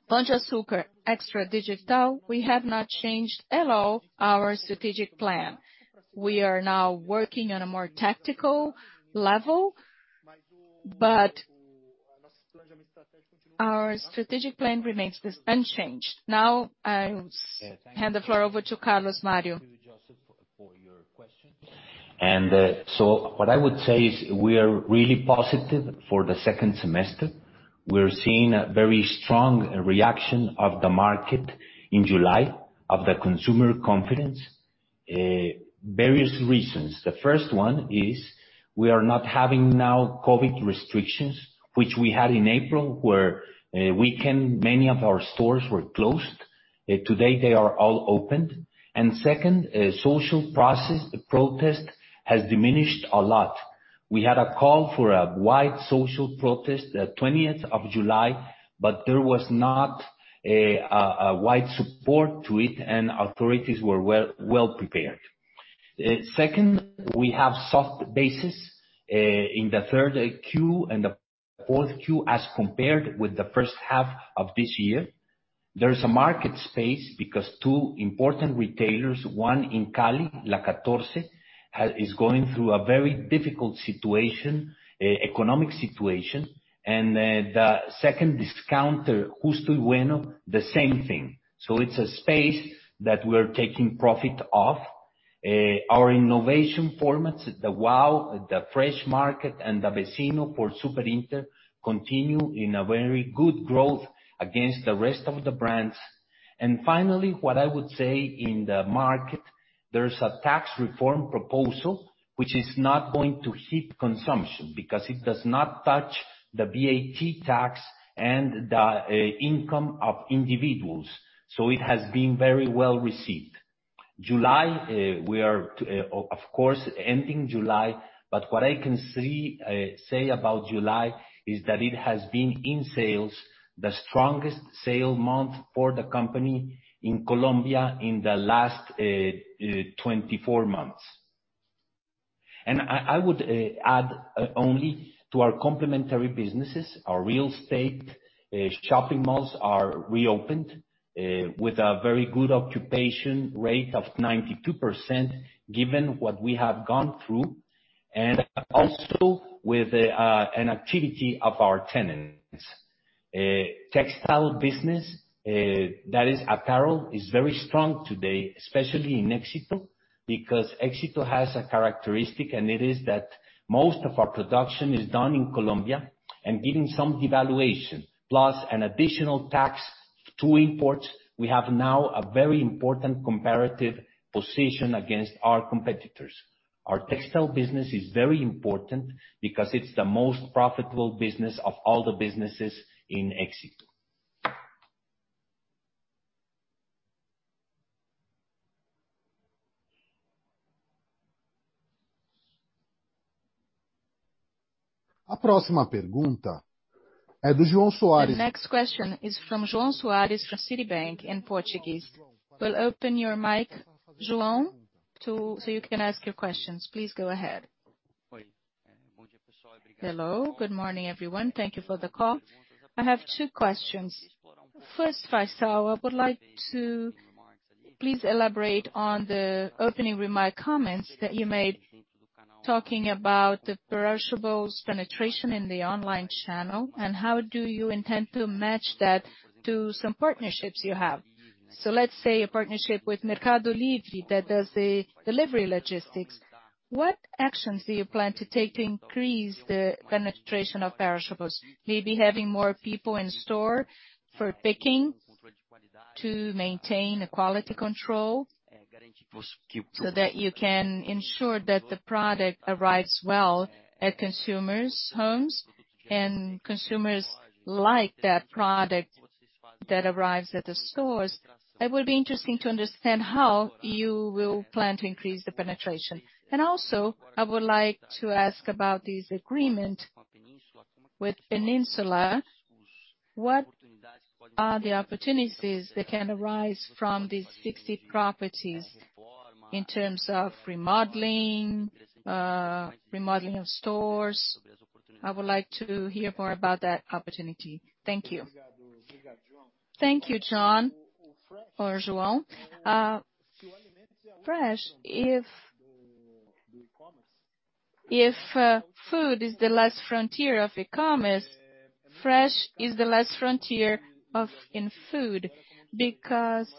Pão de Açúcar, Extra Digital, we have not changed at all our strategic plan. We are now working on a more tactical level, but our strategic plan remains unchanged. Now, I'll hand the floor over to Carlos Mario. Thank you, Joseph, for your question. What I would say is we are really positive for the second semester. We're seeing a very strong reaction of the market in July, of the consumer confidence. Various reasons. The first one is we are not having now COVID restrictions, which we had in April, where many of our stores were closed. Today, they are all opened. Second, social protest has diminished a lot. We had a call for a wide social protest the 20th of July, but there was not a wide support to it, and authorities were well-prepared. Second, we have soft bases in the Q3 and the Q4 as compared with the first half of this year. There is a market space because two important retailers, one in Cali, Almacenes La 14, is going through a very difficult economic situation. The second discounter, Justo y Bueno, the same thing. It's a space that we're taking profit of. Our innovation formats, the WOW, the Fresh Market, and the Vecino for Super Inter continue in a very good growth against the rest of the brands. Finally, what I would say in the market, there's a tax reform proposal, which is not going to hit consumption because it does not touch the VAT tax and the income of individuals. It has been very well received. We are, of course, ending July, but what I can say about July is that it has been, in sales, the strongest sale month for the company in Colombia in the last 24 months. I would add only to our complementary businesses, our real estate shopping malls are reopened with a very good occupation rate of 92%, given what we have gone through, and also with an activity of our tenants. Textile business, that is apparel, is very strong today, especially in Éxito, because Éxito has a characteristic, and it is that most of our production is done in Colombia. Given some devaluation plus an additional tax to imports, we have now a very important comparative position against our competitors. Our textile business is very important because it's the most profitable business of all the businesses in Éxito. The next question is from João Soares from Citibank in Portuguese. We'll open your mic, João, so you can ask your questions. Please go ahead. Hello. Good morning, everyone. Thank you for the call. I have two questions. First, Faiçal, I would like to please elaborate on the opening remarks that you made talking about the perishables penetration in the online channel and how do you intend to match that to some partnerships you have? Let's say a partnership with Mercado Libre that does the delivery logistics. What actions do you plan to take to increase the penetration of perishables? Maybe having more people in store for picking to maintain a quality control so that you can ensure that the product arrives well at consumers' homes, and consumers like that product that arrives at the stores. It would be interesting to understand how you will plan to increase the penetration. I would like to ask about this agreement with Península. What are the opportunities that can arise from these 60 properties in terms of remodeling of stores? I would like to hear more about that opportunity. Thank you. Thank you, João. If food is the last frontier of e-commerce, fresh is the last frontier in food, because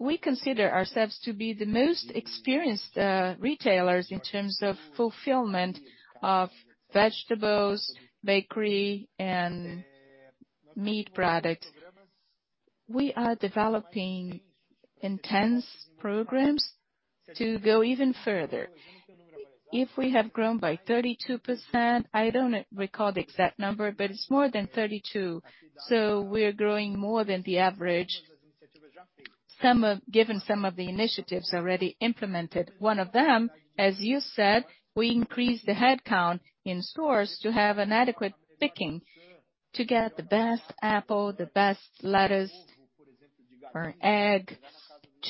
we consider ourselves to be the most experienced retailers in terms of fulfillment of vegetables, bakery, and meat products. We are developing intense programs to go even further. If we have grown by 32%, I don't recall the exact number, but it's more than 32. We're growing more than the average, given some of the initiatives already implemented. One of them, as you said, we increased the headcount in stores to have an adequate picking to get the best apple, the best lettuce or egg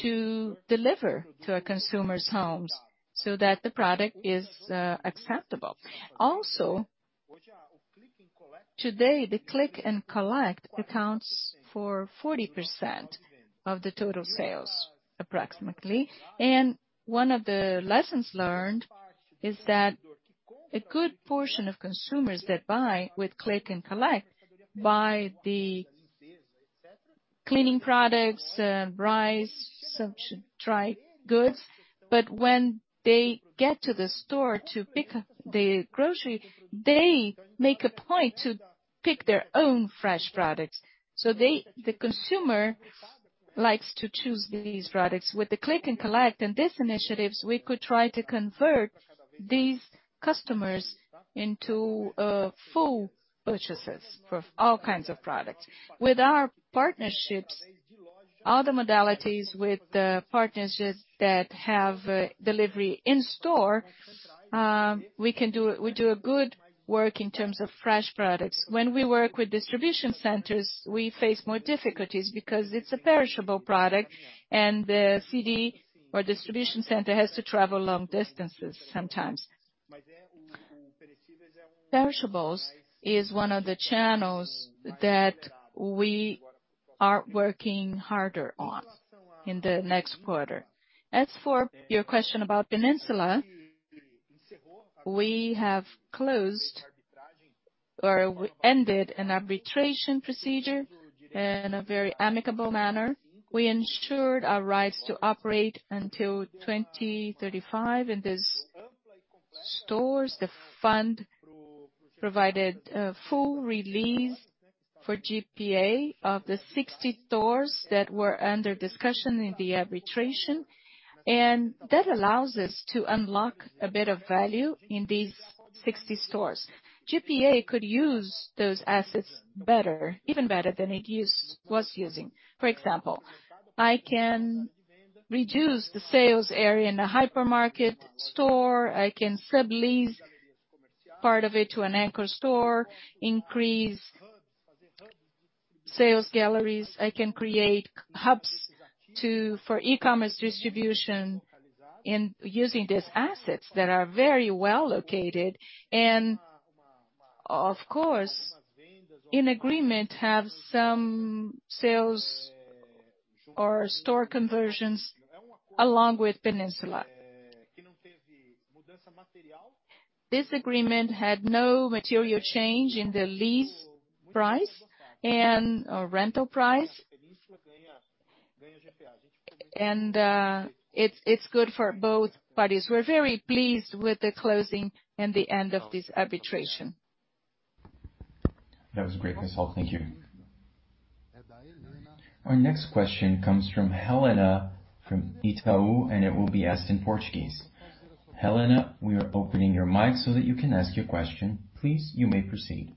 to deliver to a consumer's homes so that the product is acceptable. Also, today the click and collect accounts for 40% of the total sales approximately. One of the lessons learned is that a good portion of consumers that buy with click and collect buy the cleaning products, rice, some dry goods. When they get to the store to pick up their grocery, they make a point to pick their own fresh products. The consumer likes to choose these products. With the click and collect and these initiatives, we could try to convert these customers into full purchases for all kinds of products. With our partnerships, all the modalities with the partnerships that have delivery in store, we do a good work in terms of fresh products. When we work with distribution centers, we face more difficulties because it's a perishable product, and the CD or distribution center has to travel long distances sometimes. Perishables is one of the channels that we are working harder on in the next quarter. As for your question about Península, we have closed or we ended an arbitration procedure in a very amicable manner. We ensured our rights to operate until 2035 in these stores. The fund provided a full release for GPA of the 60 stores that were under discussion in the arbitration, and that allows us to unlock a bit of value in these 60 stores. GPA could use those assets even better than it was using. For example, I can reduce the sales area in the hypermarket store. I can sublease part of it to an anchor store, increase sales galleries. I can create hubs for e-commerce distribution in using these assets that are very well located and, of course, in agreement, have some sales or store conversions along with Península. This agreement had no material change in the lease price and rental price. It's good for both parties. We're very pleased with the closing and the end of this arbitration. That was great, Faiçal. Thank you. Our next question comes from Helena from Itaú, it will be asked in Portuguese. Helena, we are opening your mic so that you can ask your question. Please, you may proceed.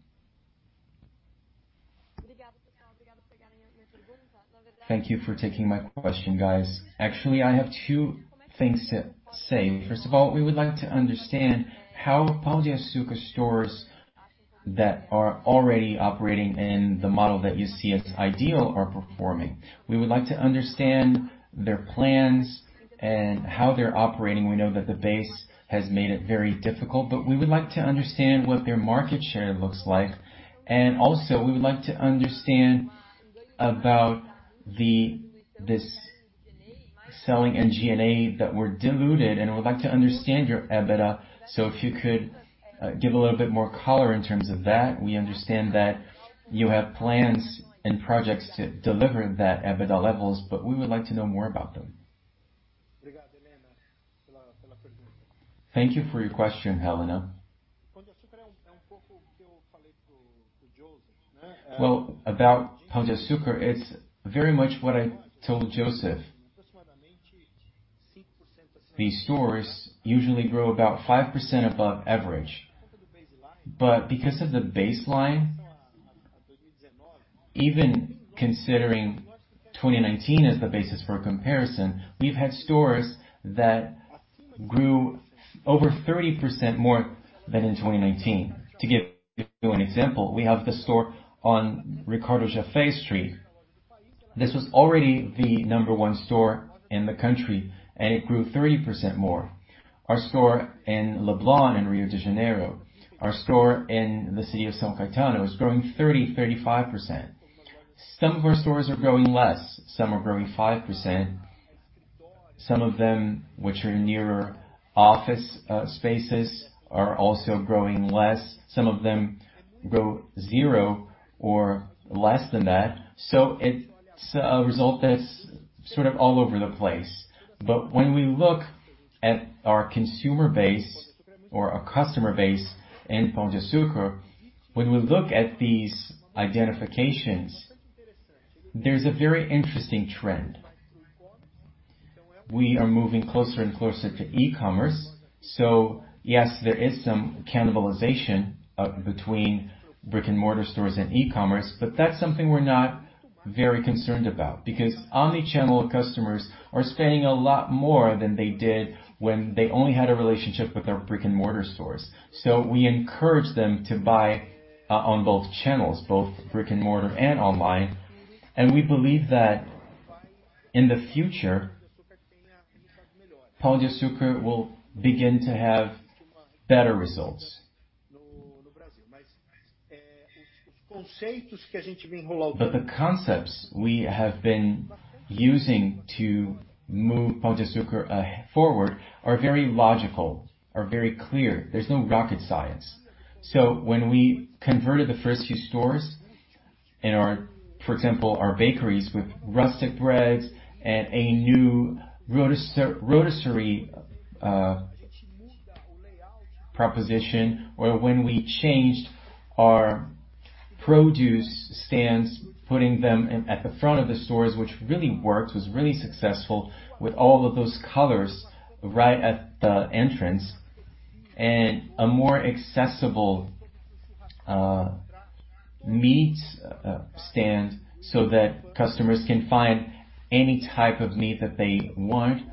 Thank you for taking my question, guys. Actually, I have two things to say. First of all, we would like to understand how Pão de Açúcar stores that are already operating in the model that you see as ideal are performing. We would like to understand their plans and how they're operating. We know that the base has made it very difficult, but we would like to understand what their market share looks like. Also, we would like to understand about this selling and G&A that were diluted, and would like to understand your EBITDA. If you could give a little bit more color in terms of that. We understand that you have plans and projects to deliver that EBITDA levels. We would like to know more about them. Thank you for your question, Helena. Well, about Pão de Açúcar, it's very much what I told Joseph. These stores usually grow about 5% above average. Because of the baseline, even considering 2019 as the basis for comparison, we've had stores that grew over 30% more than in 2019. To give you an example, we have the store on Ricardo Jafet Street. This was already the number one store in the country, and it grew 30% more. Our store in Leblon in Rio de Janeiro, our store in the city of São Caetano, is growing 30%, 35%. Some of our stores are growing less. Some are growing 5%. Some of them, which are nearer office spaces, are also growing less. Some of them grow zero or less than that. It's a result that's sort of all over the place. When we look at our consumer base or our customer base in Pão de Açúcar, when we look at these identifications, there's a very interesting trend. We are moving closer and closer to e-commerce. Yes, there is some cannibalization between brick-and-mortar stores and e-commerce, but that's something we're not very concerned about, because omnichannel customers are spending a lot more than they did when they only had a relationship with our brick-and-mortar stores. We encourage them to buy on both channels, both brick-and-mortar and online, and we believe that in the future, Pão de Açúcar will begin to have better results. The concepts we have been using to move Pão de Açúcar forward are very logical, are very clear. There's no rocket science. When we converted the first few stores in, for example, our bakeries with rustic breads and a new rotisserie proposition. When we changed our produce stands, putting them at the front of the stores, which really worked, was really successful with all of those colors right at the entrance. A more accessible meat stand so that customers can find any type of meat that they want.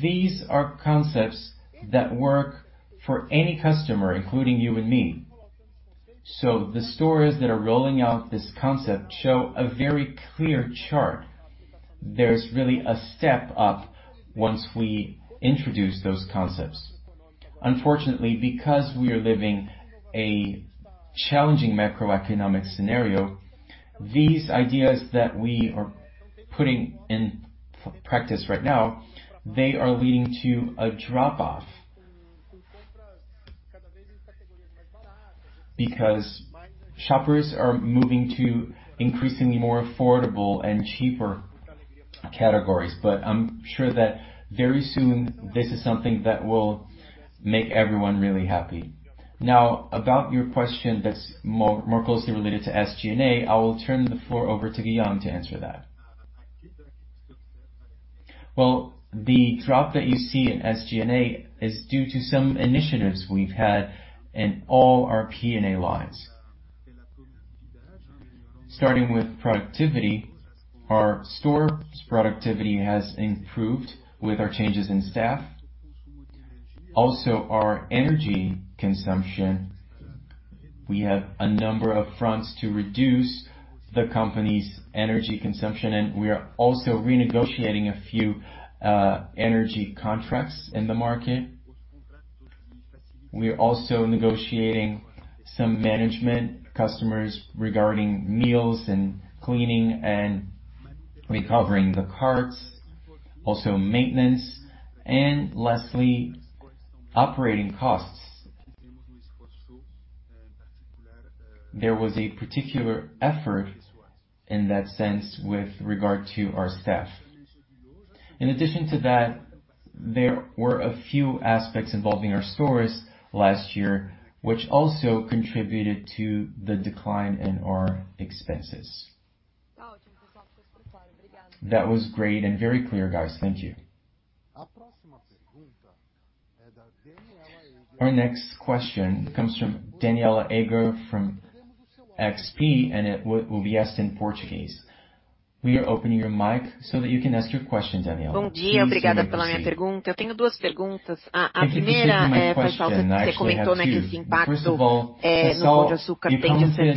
These are concepts that work for any customer, including you and me. The stores that are rolling out this concept show a very clear chart. There's really a step up once we introduce those concepts. Unfortunately, because we are living a challenging macroeconomic scenario, these ideas that we are putting in practice right now are leading to a drop-off. Shoppers are moving to increasingly more affordable and cheaper categories. I'm sure that very soon, this is something that will make everyone really happy. Now, about your question that's more closely related to SG&A, I will turn the floor over to Guillaume to answer that. Well, the drop that you see in SG&A is due to some initiatives we've had in all our P&A lines. Starting with productivity, our store productivity has improved with our changes in staff. Also our energy consumption. We have a number of fronts to reduce the company's energy consumption, and we are also renegotiating a few energy contracts in the market. We are also negotiating some management customers regarding meals and cleaning and recovering the carts, also maintenance and lastly, operating costs. There was a particular effort in that sense with regard to our staff. In addition to that, there were a few aspects involving our stores last year, which also contributed to the decline in our expenses. That was great and very clear, guys. Thank you. Our next question comes from Danniela Eiger from XP, and it will be asked in Portuguese. We are opening your mic so that you can ask your question, Danniela. Please go ahead. Good day. Thank you for my question. I have two questions. The first is, Jorge Faiçal, you commented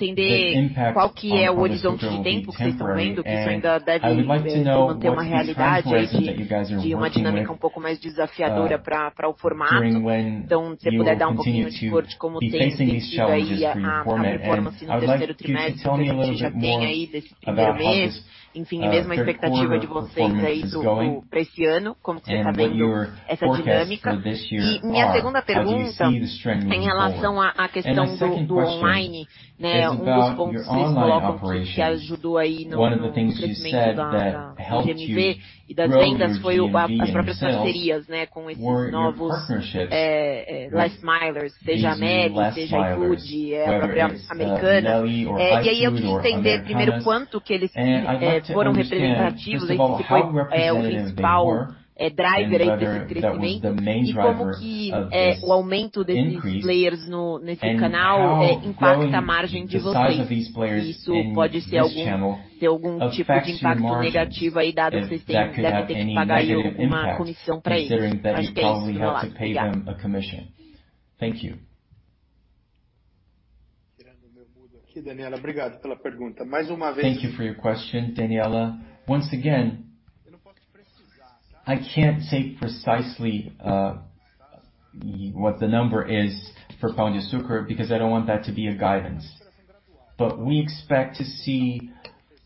that this impact on Pão de Açúcar will be temporary. I wanted to understand what the time horizon you are seeing is, that this still needs to be a reality and a slightly more challenging dynamic for the format. If you could provide a bit of insight into how it has been developing there in the third quarter and what you already have from this first month. In short, the same expectation from you for this year, how are you seeing this dynamic? My second question is about online. One of the points you raise that helped GMV and sales growth was the partnerships themselves with these new last milers, be it MELI or iFood or Americanas. I would like to understand, first of all, how representative they were and whether that was the main driver of this increase, and how growing the size of these players in this channel affects your margins, if that could have any negative impact, considering that you probably have to pay them a commission. Thank you. Thank you for your question, Danniela. Once again, I can't say precisely what the number is for Pão de Açúcar because I don't want that to be a guidance. We expect to see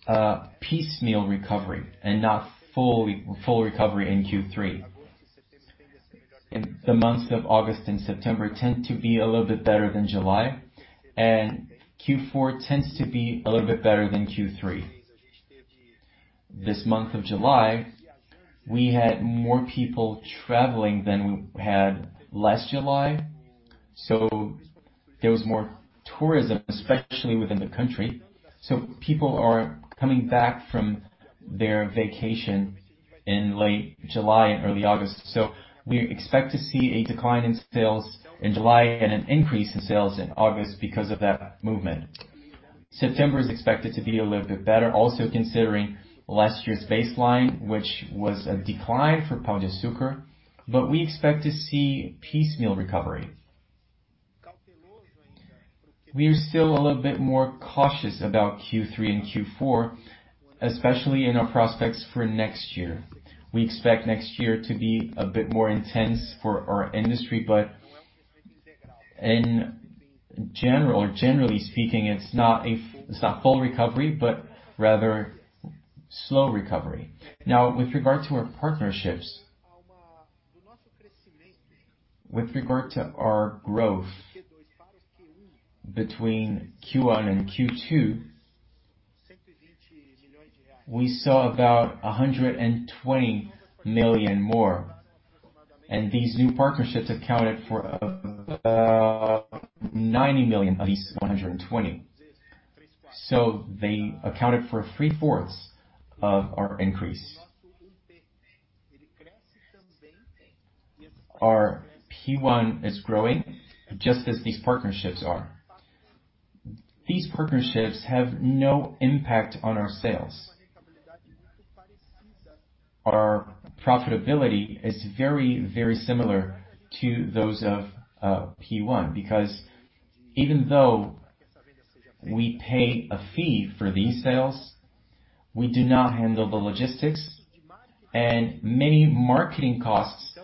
a piecemeal recovery and not full recovery in Q3. The months of August and September tend to be a little bit better than July, and Q4 tends to be a little bit better than Q3. This month of July, we had more people traveling than we had last July. There was more tourism, especially within the country. People are coming back from their vacation in late July and early August. We expect to see a decline in sales in July and an increase in sales in August because of that movement. September is expected to be a little bit better also considering last year's baseline, which was a decline for Pão de Açúcar. We expect to see piecemeal recovery. We are still a little bit more cautious about Q3 and Q4, especially in our prospects for next year. We expect next year to be a bit more intense for our industry. In general, or generally speaking, it's not full recovery, but rather slow recovery. With regard to our partnerships. With regard to our growth between Q1 and Q2, we saw about 120 million more, and these new partnerships accounted for 90 million of these 120 million. They accounted for 3/4 of our increase. Our 1P is growing just as these partnerships are. These partnerships have no impact on our sales. Our profitability is very similar to those of P1, because even though we pay a fee for these sales, we do not handle the logistics, and many marketing costs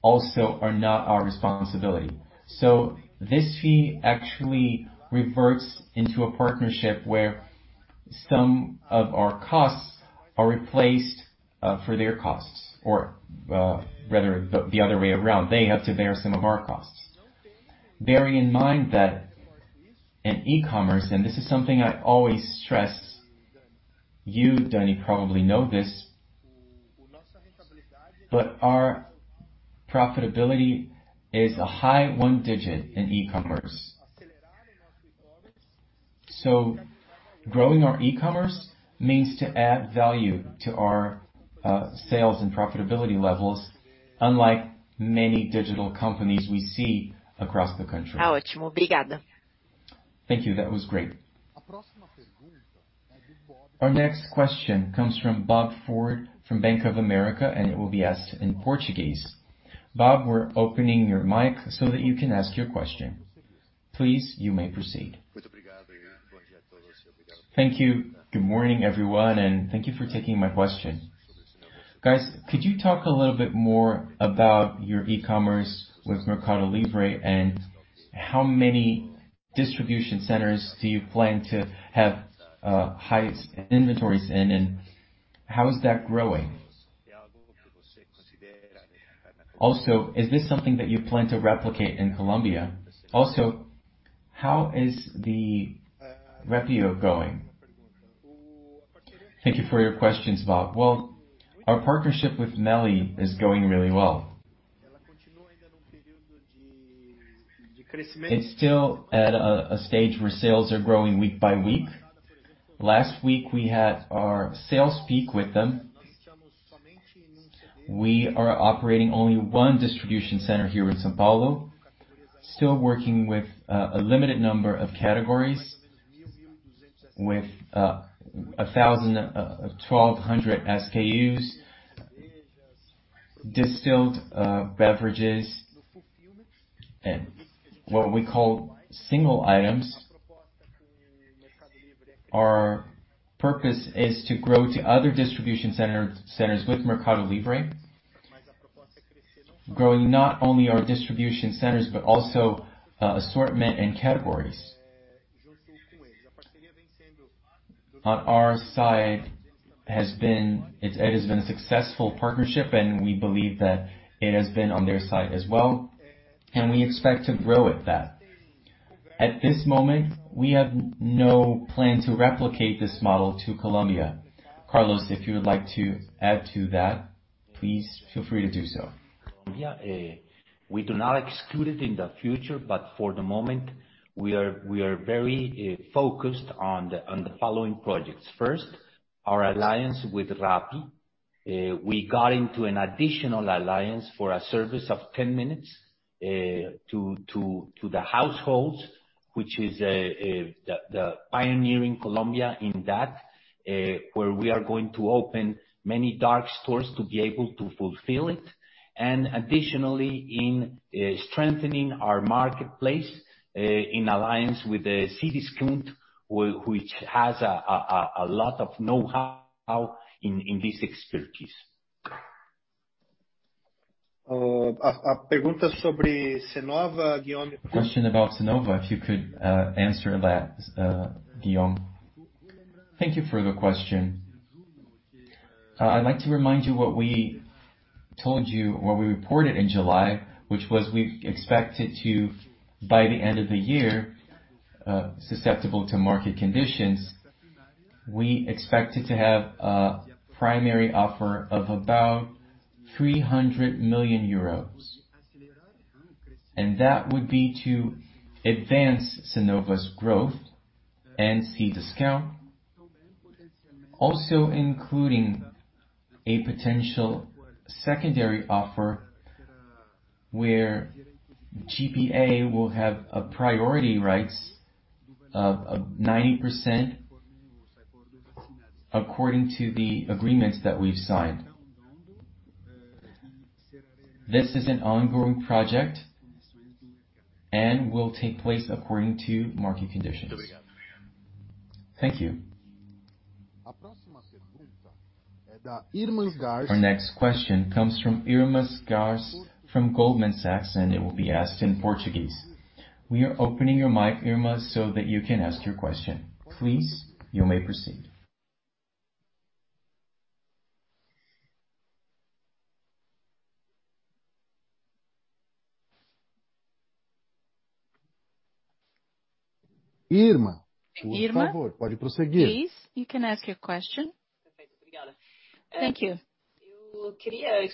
also are not our responsibility. This fee actually reverts into a partnership where some of our costs are replaced for their costs, or rather, the other way around. They have to bear some of our costs. Bearing in mind that in e-commerce, and this is something I always stress, you, Danniela, probably know this, but our profitability is a high one digit in e-commerce. Growing our e-commerce means to add value to our sales and profitability levels, unlike many digital companies we see across the country. Thank you. That was great. Our next question comes from Robert Ford from Bank of America, and it will be asked in Portuguese. Bob, we're opening your mic so that you can ask your question. Please, you may proceed. Thank you. Good morning, everyone, thank you for taking my question. Guys, could you talk a little bit more about your e-commerce with Mercado Libre, and how many distribution centers do you plan to have high inventories in, and how is that growing? Is this something that you plan to replicate in Colombia? How is the Rappi going? Thank you for your questions, Bob. Well, our partnership with MELI is going really well. It's still at a stage where sales are growing week by week. Last week, we had our sales peak with them. We are operating only one distribution center here in São Paulo. Still working with a limited number of categories with 1,200 SKUs. Distilled beverages and what we call single items. Our purpose is to grow to other distribution centers with Mercado Libre. Growing not only our distribution centers but also assortment and categories. On our side it has been a successful partnership, and we believe that it has been on their side as well, and we expect to grow at that. At this moment, we have no plan to replicate this model to Colombia. Carlos, if you would like to add to that, please feel free to do so. We do not exclude it in the future, but for the moment, we are very focused on the following projects. First, our alliance with Rappi. We got into an additional alliance for a service of 10 minutes to the households, which is the pioneer in Colombia in that, where we are going to open many dark stores to be able to fulfill it. Additionally, in strengthening our marketplace, in alliance with Cdiscount, which has a lot of know-how in this expertise. The question about Cnova, if you could answer that, Guillaume. Thank you for the question. I'd like to remind you what we told you, what we reported in July, which was we expected to, by the end of the year, susceptible to market conditions, we expected to have a primary offer of about 300 million euros. That would be to advance Cnova's growth and Cdiscount. Also including a potential secondary offer where GPA will have a priority rights of 90% according to the agreements that we've signed. This is an ongoing project and will take place according to market conditions. Thank you. Our next question comes from Irma Sgarz from Goldman Sachs, and it will be asked in Portuguese. We are opening your mic, Irma, so that you can ask your question. Please, you may proceed. Irma. Irma. Please. You can ask your question. Thank you. I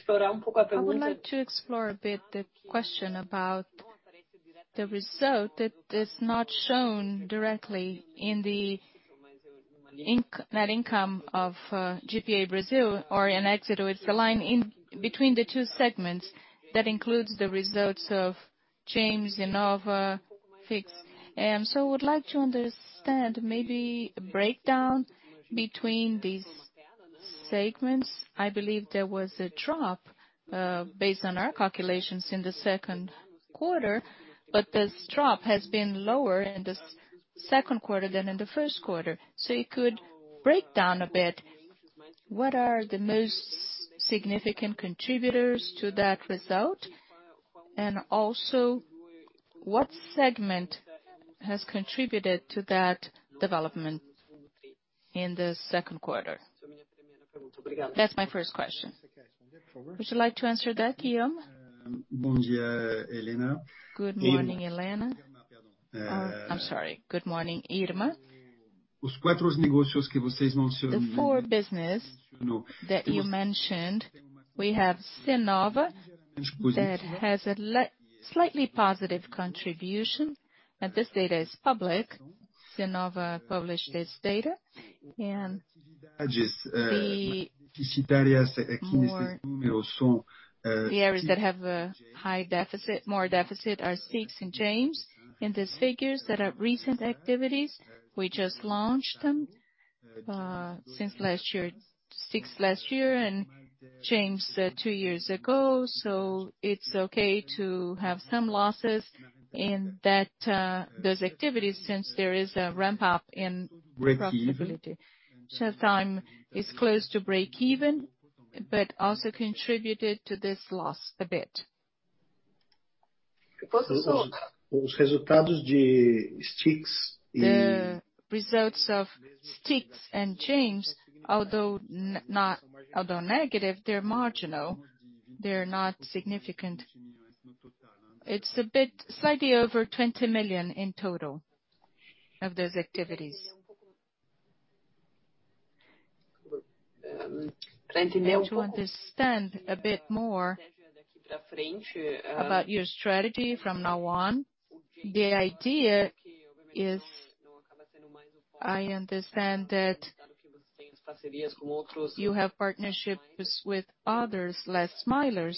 would like to explore a bit the question about the result that is not shown directly in the net income of GPA Brazil or in Éxito. It's the line in between the two segments that includes the results of James, Cnova, Stix. I would like to understand maybe breakdown between these segments. I believe there was a drop, based on our calculations, in the second quarter, but this drop has been lower in the second quarter than in the first quarter. You could break down a bit, what are the most significant contributors to that result? Also what segment has contributed to that development in the second quarter? That's my first question. Would you like to answer that, Guillaume? Good morning, Helena. I'm sorry. Good morning, Irma. The four business that you mentioned, we have Cnova that has a slightly positive contribution, and this data is public. Cnova published this data. The areas that have a high deficit, more deficit are Stix and James. In these figures that are recent activities, we just launched them, since last year. Stix last year and James two years ago. It's okay to have some losses in those activities since there is a ramp-up in profitability. Time is close to breakeven, but also contributed to this loss a bit. The results of Stix and James, although negative, they're marginal. They're not significant. It's a bit slightly over 20 million in total of those activities. To understand a bit more about your strategy from now on, the idea is I understand that you have partnerships with others, last milers.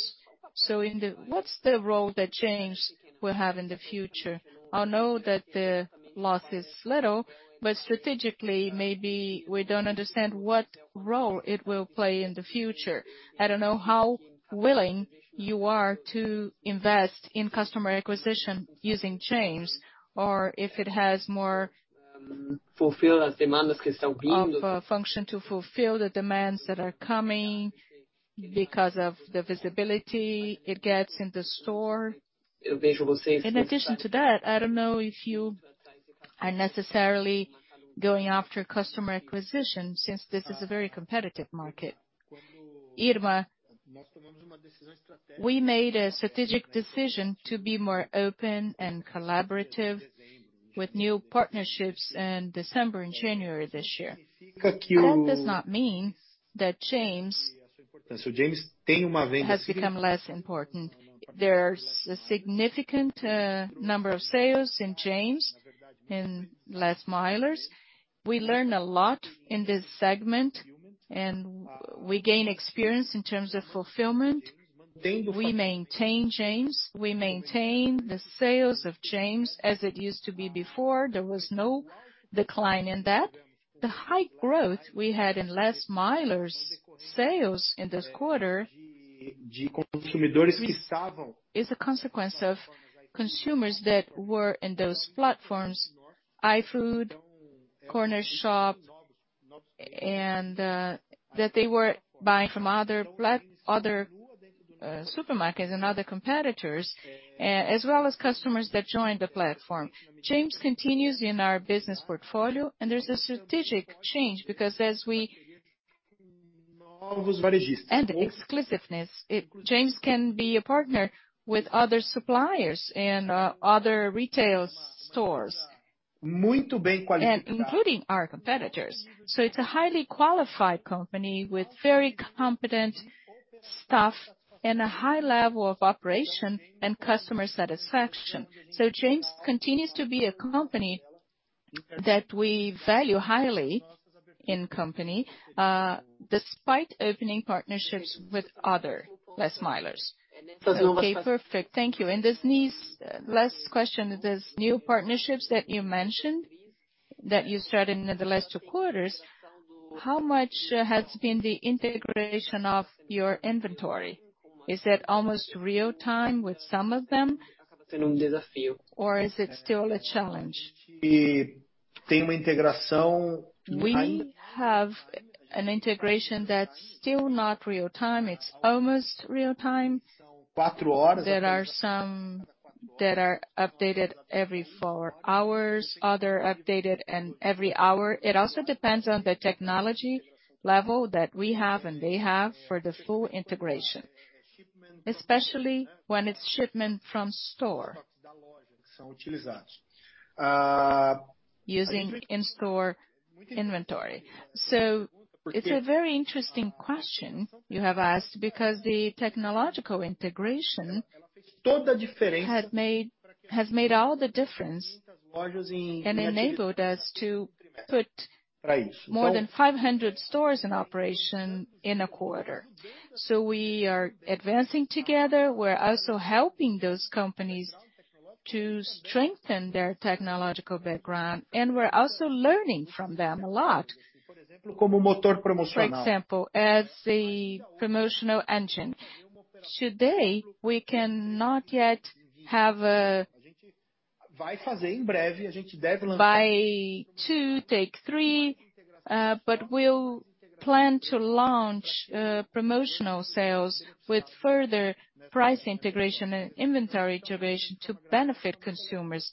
What's the role that James will have in the future? I know that the loss is little, but strategically, maybe we don't understand what role it will play in the future. I don't know how willing you are to invest in customer acquisition using James or if it has more to fulfill the demands that are coming because of the visibility it gets in the store. In addition to that, I don't know if you are necessarily going after customer acquisition since this is a very competitive market. Irma, we made a strategic decision to be more open and collaborative with new partnerships in December and January this year. That does not mean that James has become less important. There are a significant number of sales in James in last milers. We learn a lot in this segment, and we gain experience in terms of fulfillment. We maintain James. We maintain the sales of James as it used to be before. There was no decline in that. The high growth we had in last milers sales in this quarter is a consequence of consumers that were in those platforms, iFood, Cornershop, and that they were buying from other supermarkets and other competitors, as well as customers that joined the platform. James continues in our business portfolio, and there's a strategic change because exclusiveness, James can be a partner with other suppliers and other retail stores, and including our competitors. It's a highly qualified company with very competent staff and a high level of operation and customer satisfaction. James continues to be a company that we value highly in company, despite opening partnerships with other last-milers. Okay, perfect. Thank you. Last question. These new partnerships that you mentioned, that you started in the last two quarters, how much has been the integration of your inventory? Is that almost real time with some of them? Or is it still a challenge? We have an integration that's still not real time. It's almost real time. There are some that are updated every 4 hours, others updated every hour. It also depends on the technology level that we have and they have for the full integration, especially when it's shipment from store, using in-store inventory. It's a very interesting question you have asked because the technological integration has made all the difference and enabled us to put more than 500 stores in operation in a quarter. We are advancing together. We're also helping those companies to strengthen their technological background, and we're also learning from them a lot. For example, as a promotional engine. Today, we cannot yet have a buy two take three, but we'll plan to launch promotional sales with further price integration and inventory integration to benefit consumers.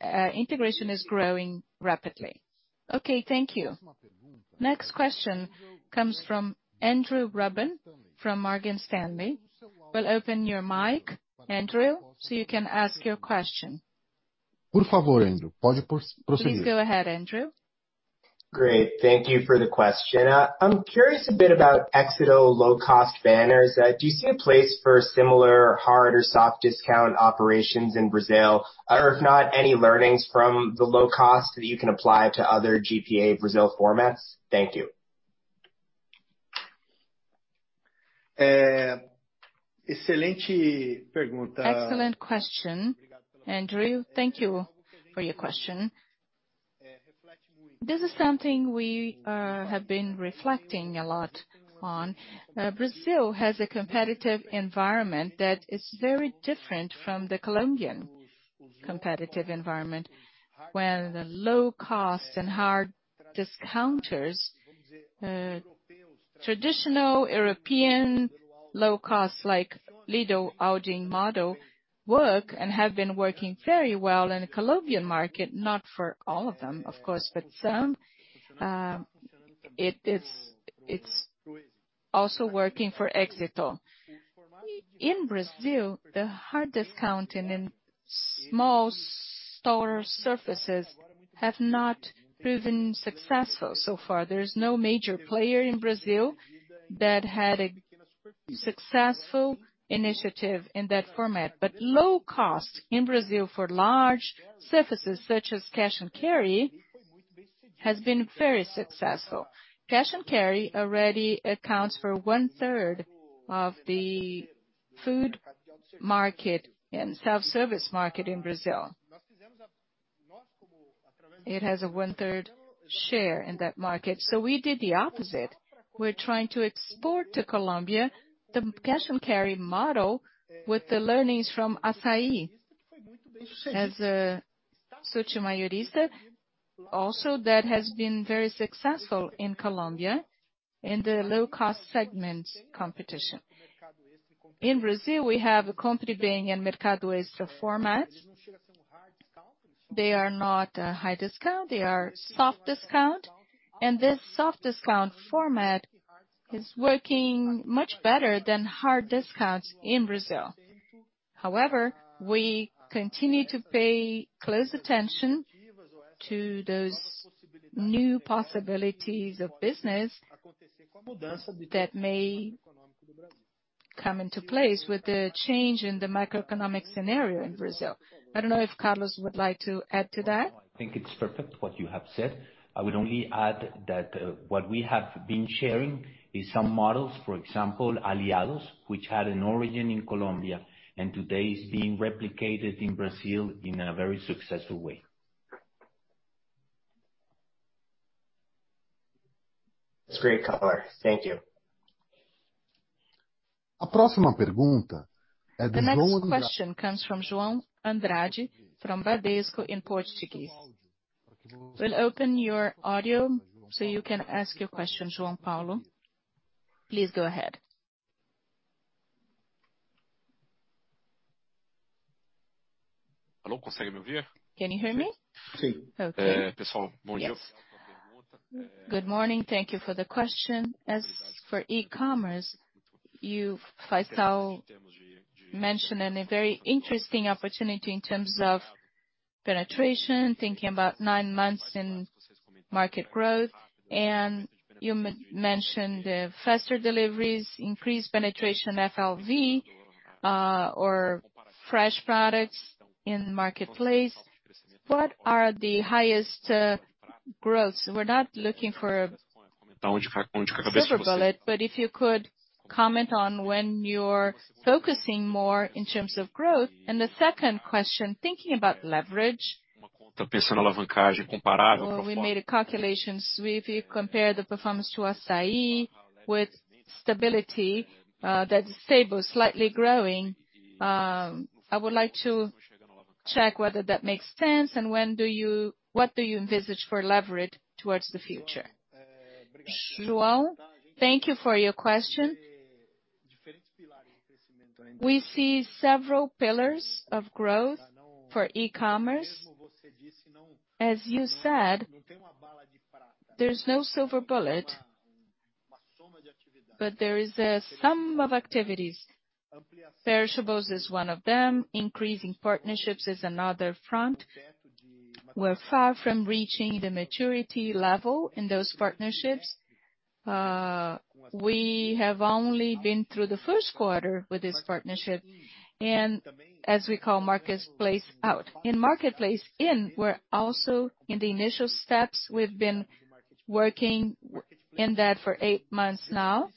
Integration is growing rapidly. Okay, thank you. Next question comes from Andrew Ruben from Morgan Stanley. We'll open your mic, Andrew, so you can ask your question. Please go ahead, Andrew. Great. Thank you for the question. I'm curious a bit about Éxito low-cost banners. Do you see a place for similar hard or soft discount operations in Brazil? If not, any learnings from the low cost that you can apply to other GPA Brazil formats? Thank you. Excellent question, Andrew. Thank you for your question. This is something we have been reflecting a lot on. Brazil has a competitive environment that is very different from the Colombian competitive environment, where the low cost and hard discounters, traditional European low cost like Lidl, Aldi model work and have been working very well in the Colombian market, not for all of them, of course, but some. It's also working for Éxito. In Brazil, the hard discounting in small store surfaces has not proven successful so far. There's no major player in Brazil that had a successful initiative in that format. Low cost in Brazil for large surfaces such as cash and carry, has been very successful. Cash and carry already accounts for 1/3 of the food market and self-service market in Brazil. It has a 1/3 share in that market. We did the opposite. We're trying to export to Colombia the cash and carry model with the learnings from Assaí. As a Surtimayorista, also that has been very successful in Colombia, in the low cost segment competition. In Brazil, we have a Compre Bem in Mercado Extra format. They are not a high discount, they are soft discount. This soft discount format is working much better than hard discounts in Brazil. However, we continue to pay close attention to those new possibilities of business that may come into place with the change in the macroeconomic scenario in Brazil. I don't know if Carlos would like to add to that. I think it's perfect what you have said. I would only add that what we have been sharing is some models, for example, Aliados, which had an origin in Colombia and today is being replicated in Brazil in a very successful way. That's great, Carlos. Thank you. The next question comes from João Andrade from Bradesco in Portuguese. We'll open your audio so you can ask your question, João Paulo. Please go ahead. Hello, can you hear me? Can you hear me? Yes. Okay. Yes. Good morning. Thank you for the question. As for e-commerce, Faiçal mentioned a very interesting opportunity in terms of penetration, thinking about nine months in market growth. You mentioned the faster deliveries, increased penetration FLV or fresh products in the marketplace. What are the highest growths? We're not looking for a silver bullet. If you could comment on when you're focusing more in terms of growth. The second question, thinking about leverage. We made a calculation. If you compare the performance to Assaí with stability that is stable, slightly growing, I would like to check whether that makes sense. What do you envisage for leverage towards the future? João, thank you for your question. We see several pillars of growth for e-commerce. As you said, there's no silver bullet, but there is a sum of activities. Perishables is one of them. Increasing partnerships is another front. We're far from reaching the maturity level in those partnerships. We have only been through the first quarter with this partnership, and as we call Marketplace Out. In Marketplace In, we're also in the initial steps. We've been working in that for eight months now.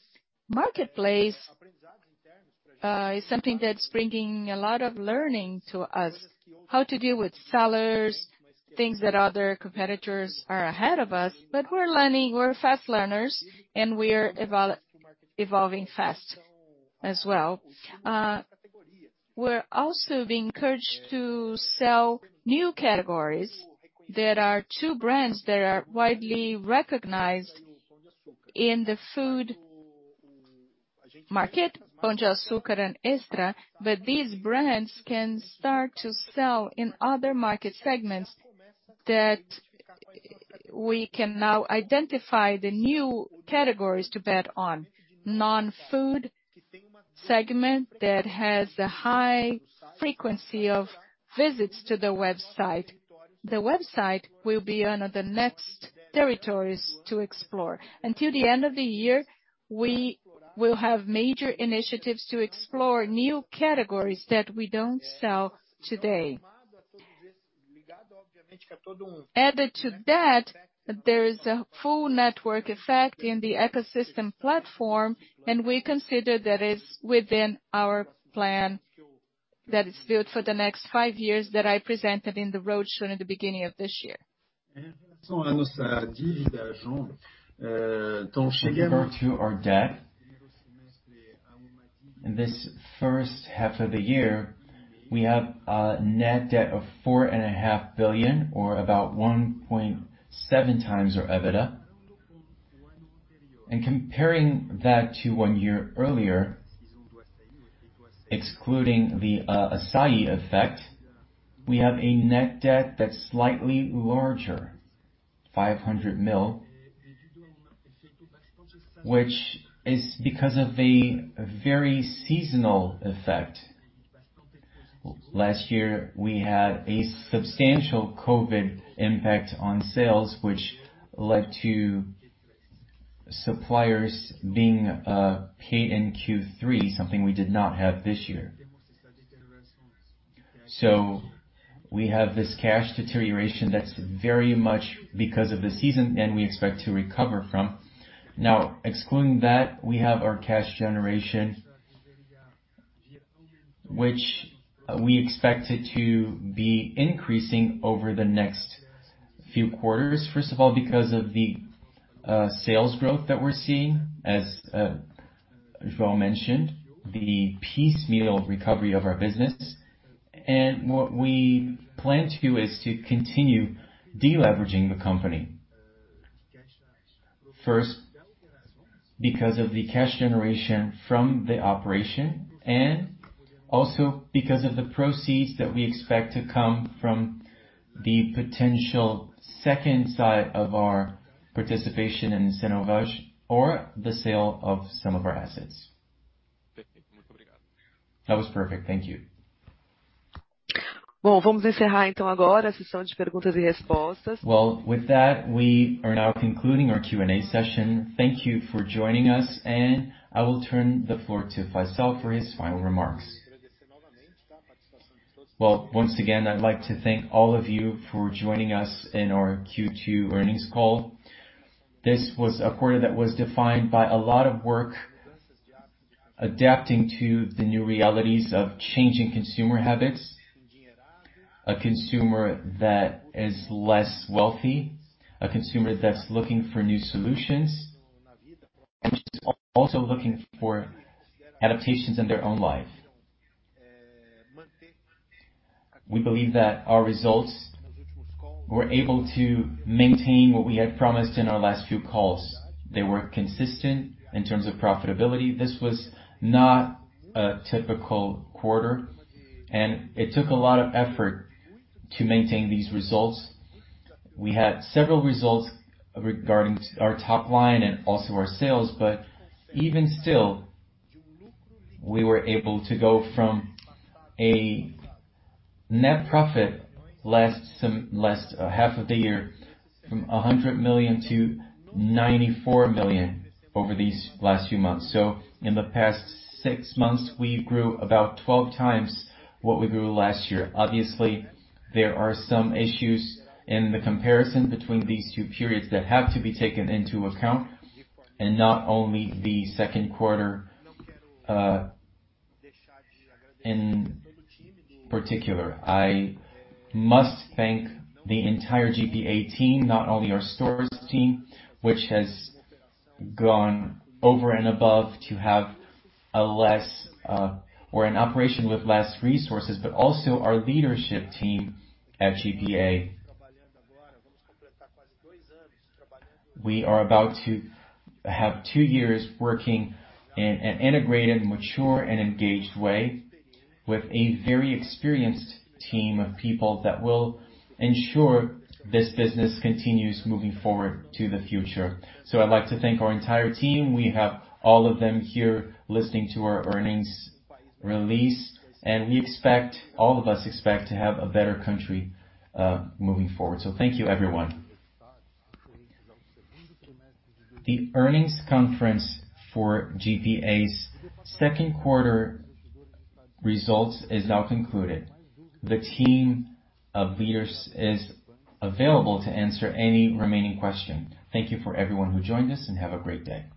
Marketplace is something that's bringing a lot of learning to us. How to deal with sellers, things that other competitors are ahead of us. We're learning, we're fast learners and we're evolving fast as well. We're also being encouraged to sell new categories. There are two brands that are widely recognized in the food market, Pão de Açúcar and Extra. These brands can start to sell in other market segments that we can now identify the new categories to bet on. Non-food segment that has a high frequency of visits to the website. The website will be one of the next territories to explore. Until the end of the year, we will have major initiatives to explore new categories that we don't sell today. Added to that, there is a full network effect in the ecosystem platform, and we consider that it's within our plan that is built for the next five years that I presented in the road show in the beginning of this year. If we go to our debt, in this first half of the year, we have a net debt of 4.5 billion or about 1.7x our EBITDA. Comparing that to one year earlier, excluding the Assaí effect, we have a net debt that's slightly larger, 500 million, which is because of a very seasonal effect. Last year we had a substantial COVID impact on sales which led to suppliers being paid in Q3, something we did not have this year. We have this cash deterioration that's very much because of the season and we expect to recover from. Excluding that, we have our cash generation which we expect it to be increasing over the next few quarters. First of all, because of the sales growth that we're seeing as João mentioned, the piecemeal recovery of our business. What we plan to do is to continue de-leveraging the company. First because of the cash generation from the operation and also because of the proceeds that we expect to come from the potential second side of our participation in Cnova or the sale of some of our assets. That was perfect. Thank you. Well, with that we are now concluding our Q&A session. Thank you for joining us and I will turn the floor to Faiçal for his final remarks. Well, once again, I'd like to thank all of you for joining us in our Q2 earnings call. This was a quarter that was defined by a lot of work adapting to the new realities of changing consumer habits. A consumer that is less wealthy, a consumer that's looking for new solutions and which is also looking for adaptations in their own life. We believe that our results were able to maintain what we had promised in our last few calls. They were consistent in terms of profitability. This was not a typical quarter, and it took a lot of effort to maintain these results. We had several results regarding our top line and also our sales, but even still, we were able to go from a net profit last half of the year from 100 million to 94 million over these last few months. In the past six months, we grew about 12x what we grew last year. Obviously, there are some issues in the comparison between these two periods that have to be taken into account, and not only the second quarter in particular. I must thank the entire GPA team, not only our stores team, which has gone over and above to have an operation with less resources, but also our leadership team at GPA. We are about to have two years working in an integrated, mature, and engaged way with a very experienced team of people that will ensure this business continues moving forward to the future. I'd like to thank our entire team. We have all of them here listening to our earnings release, and all of us expect to have a better country moving forward. Thank you, everyone. The earnings conference for GPA's second quarter results is now concluded. The team of leaders is available to answer any remaining questions. Thank you for everyone who joined us, and have a great day.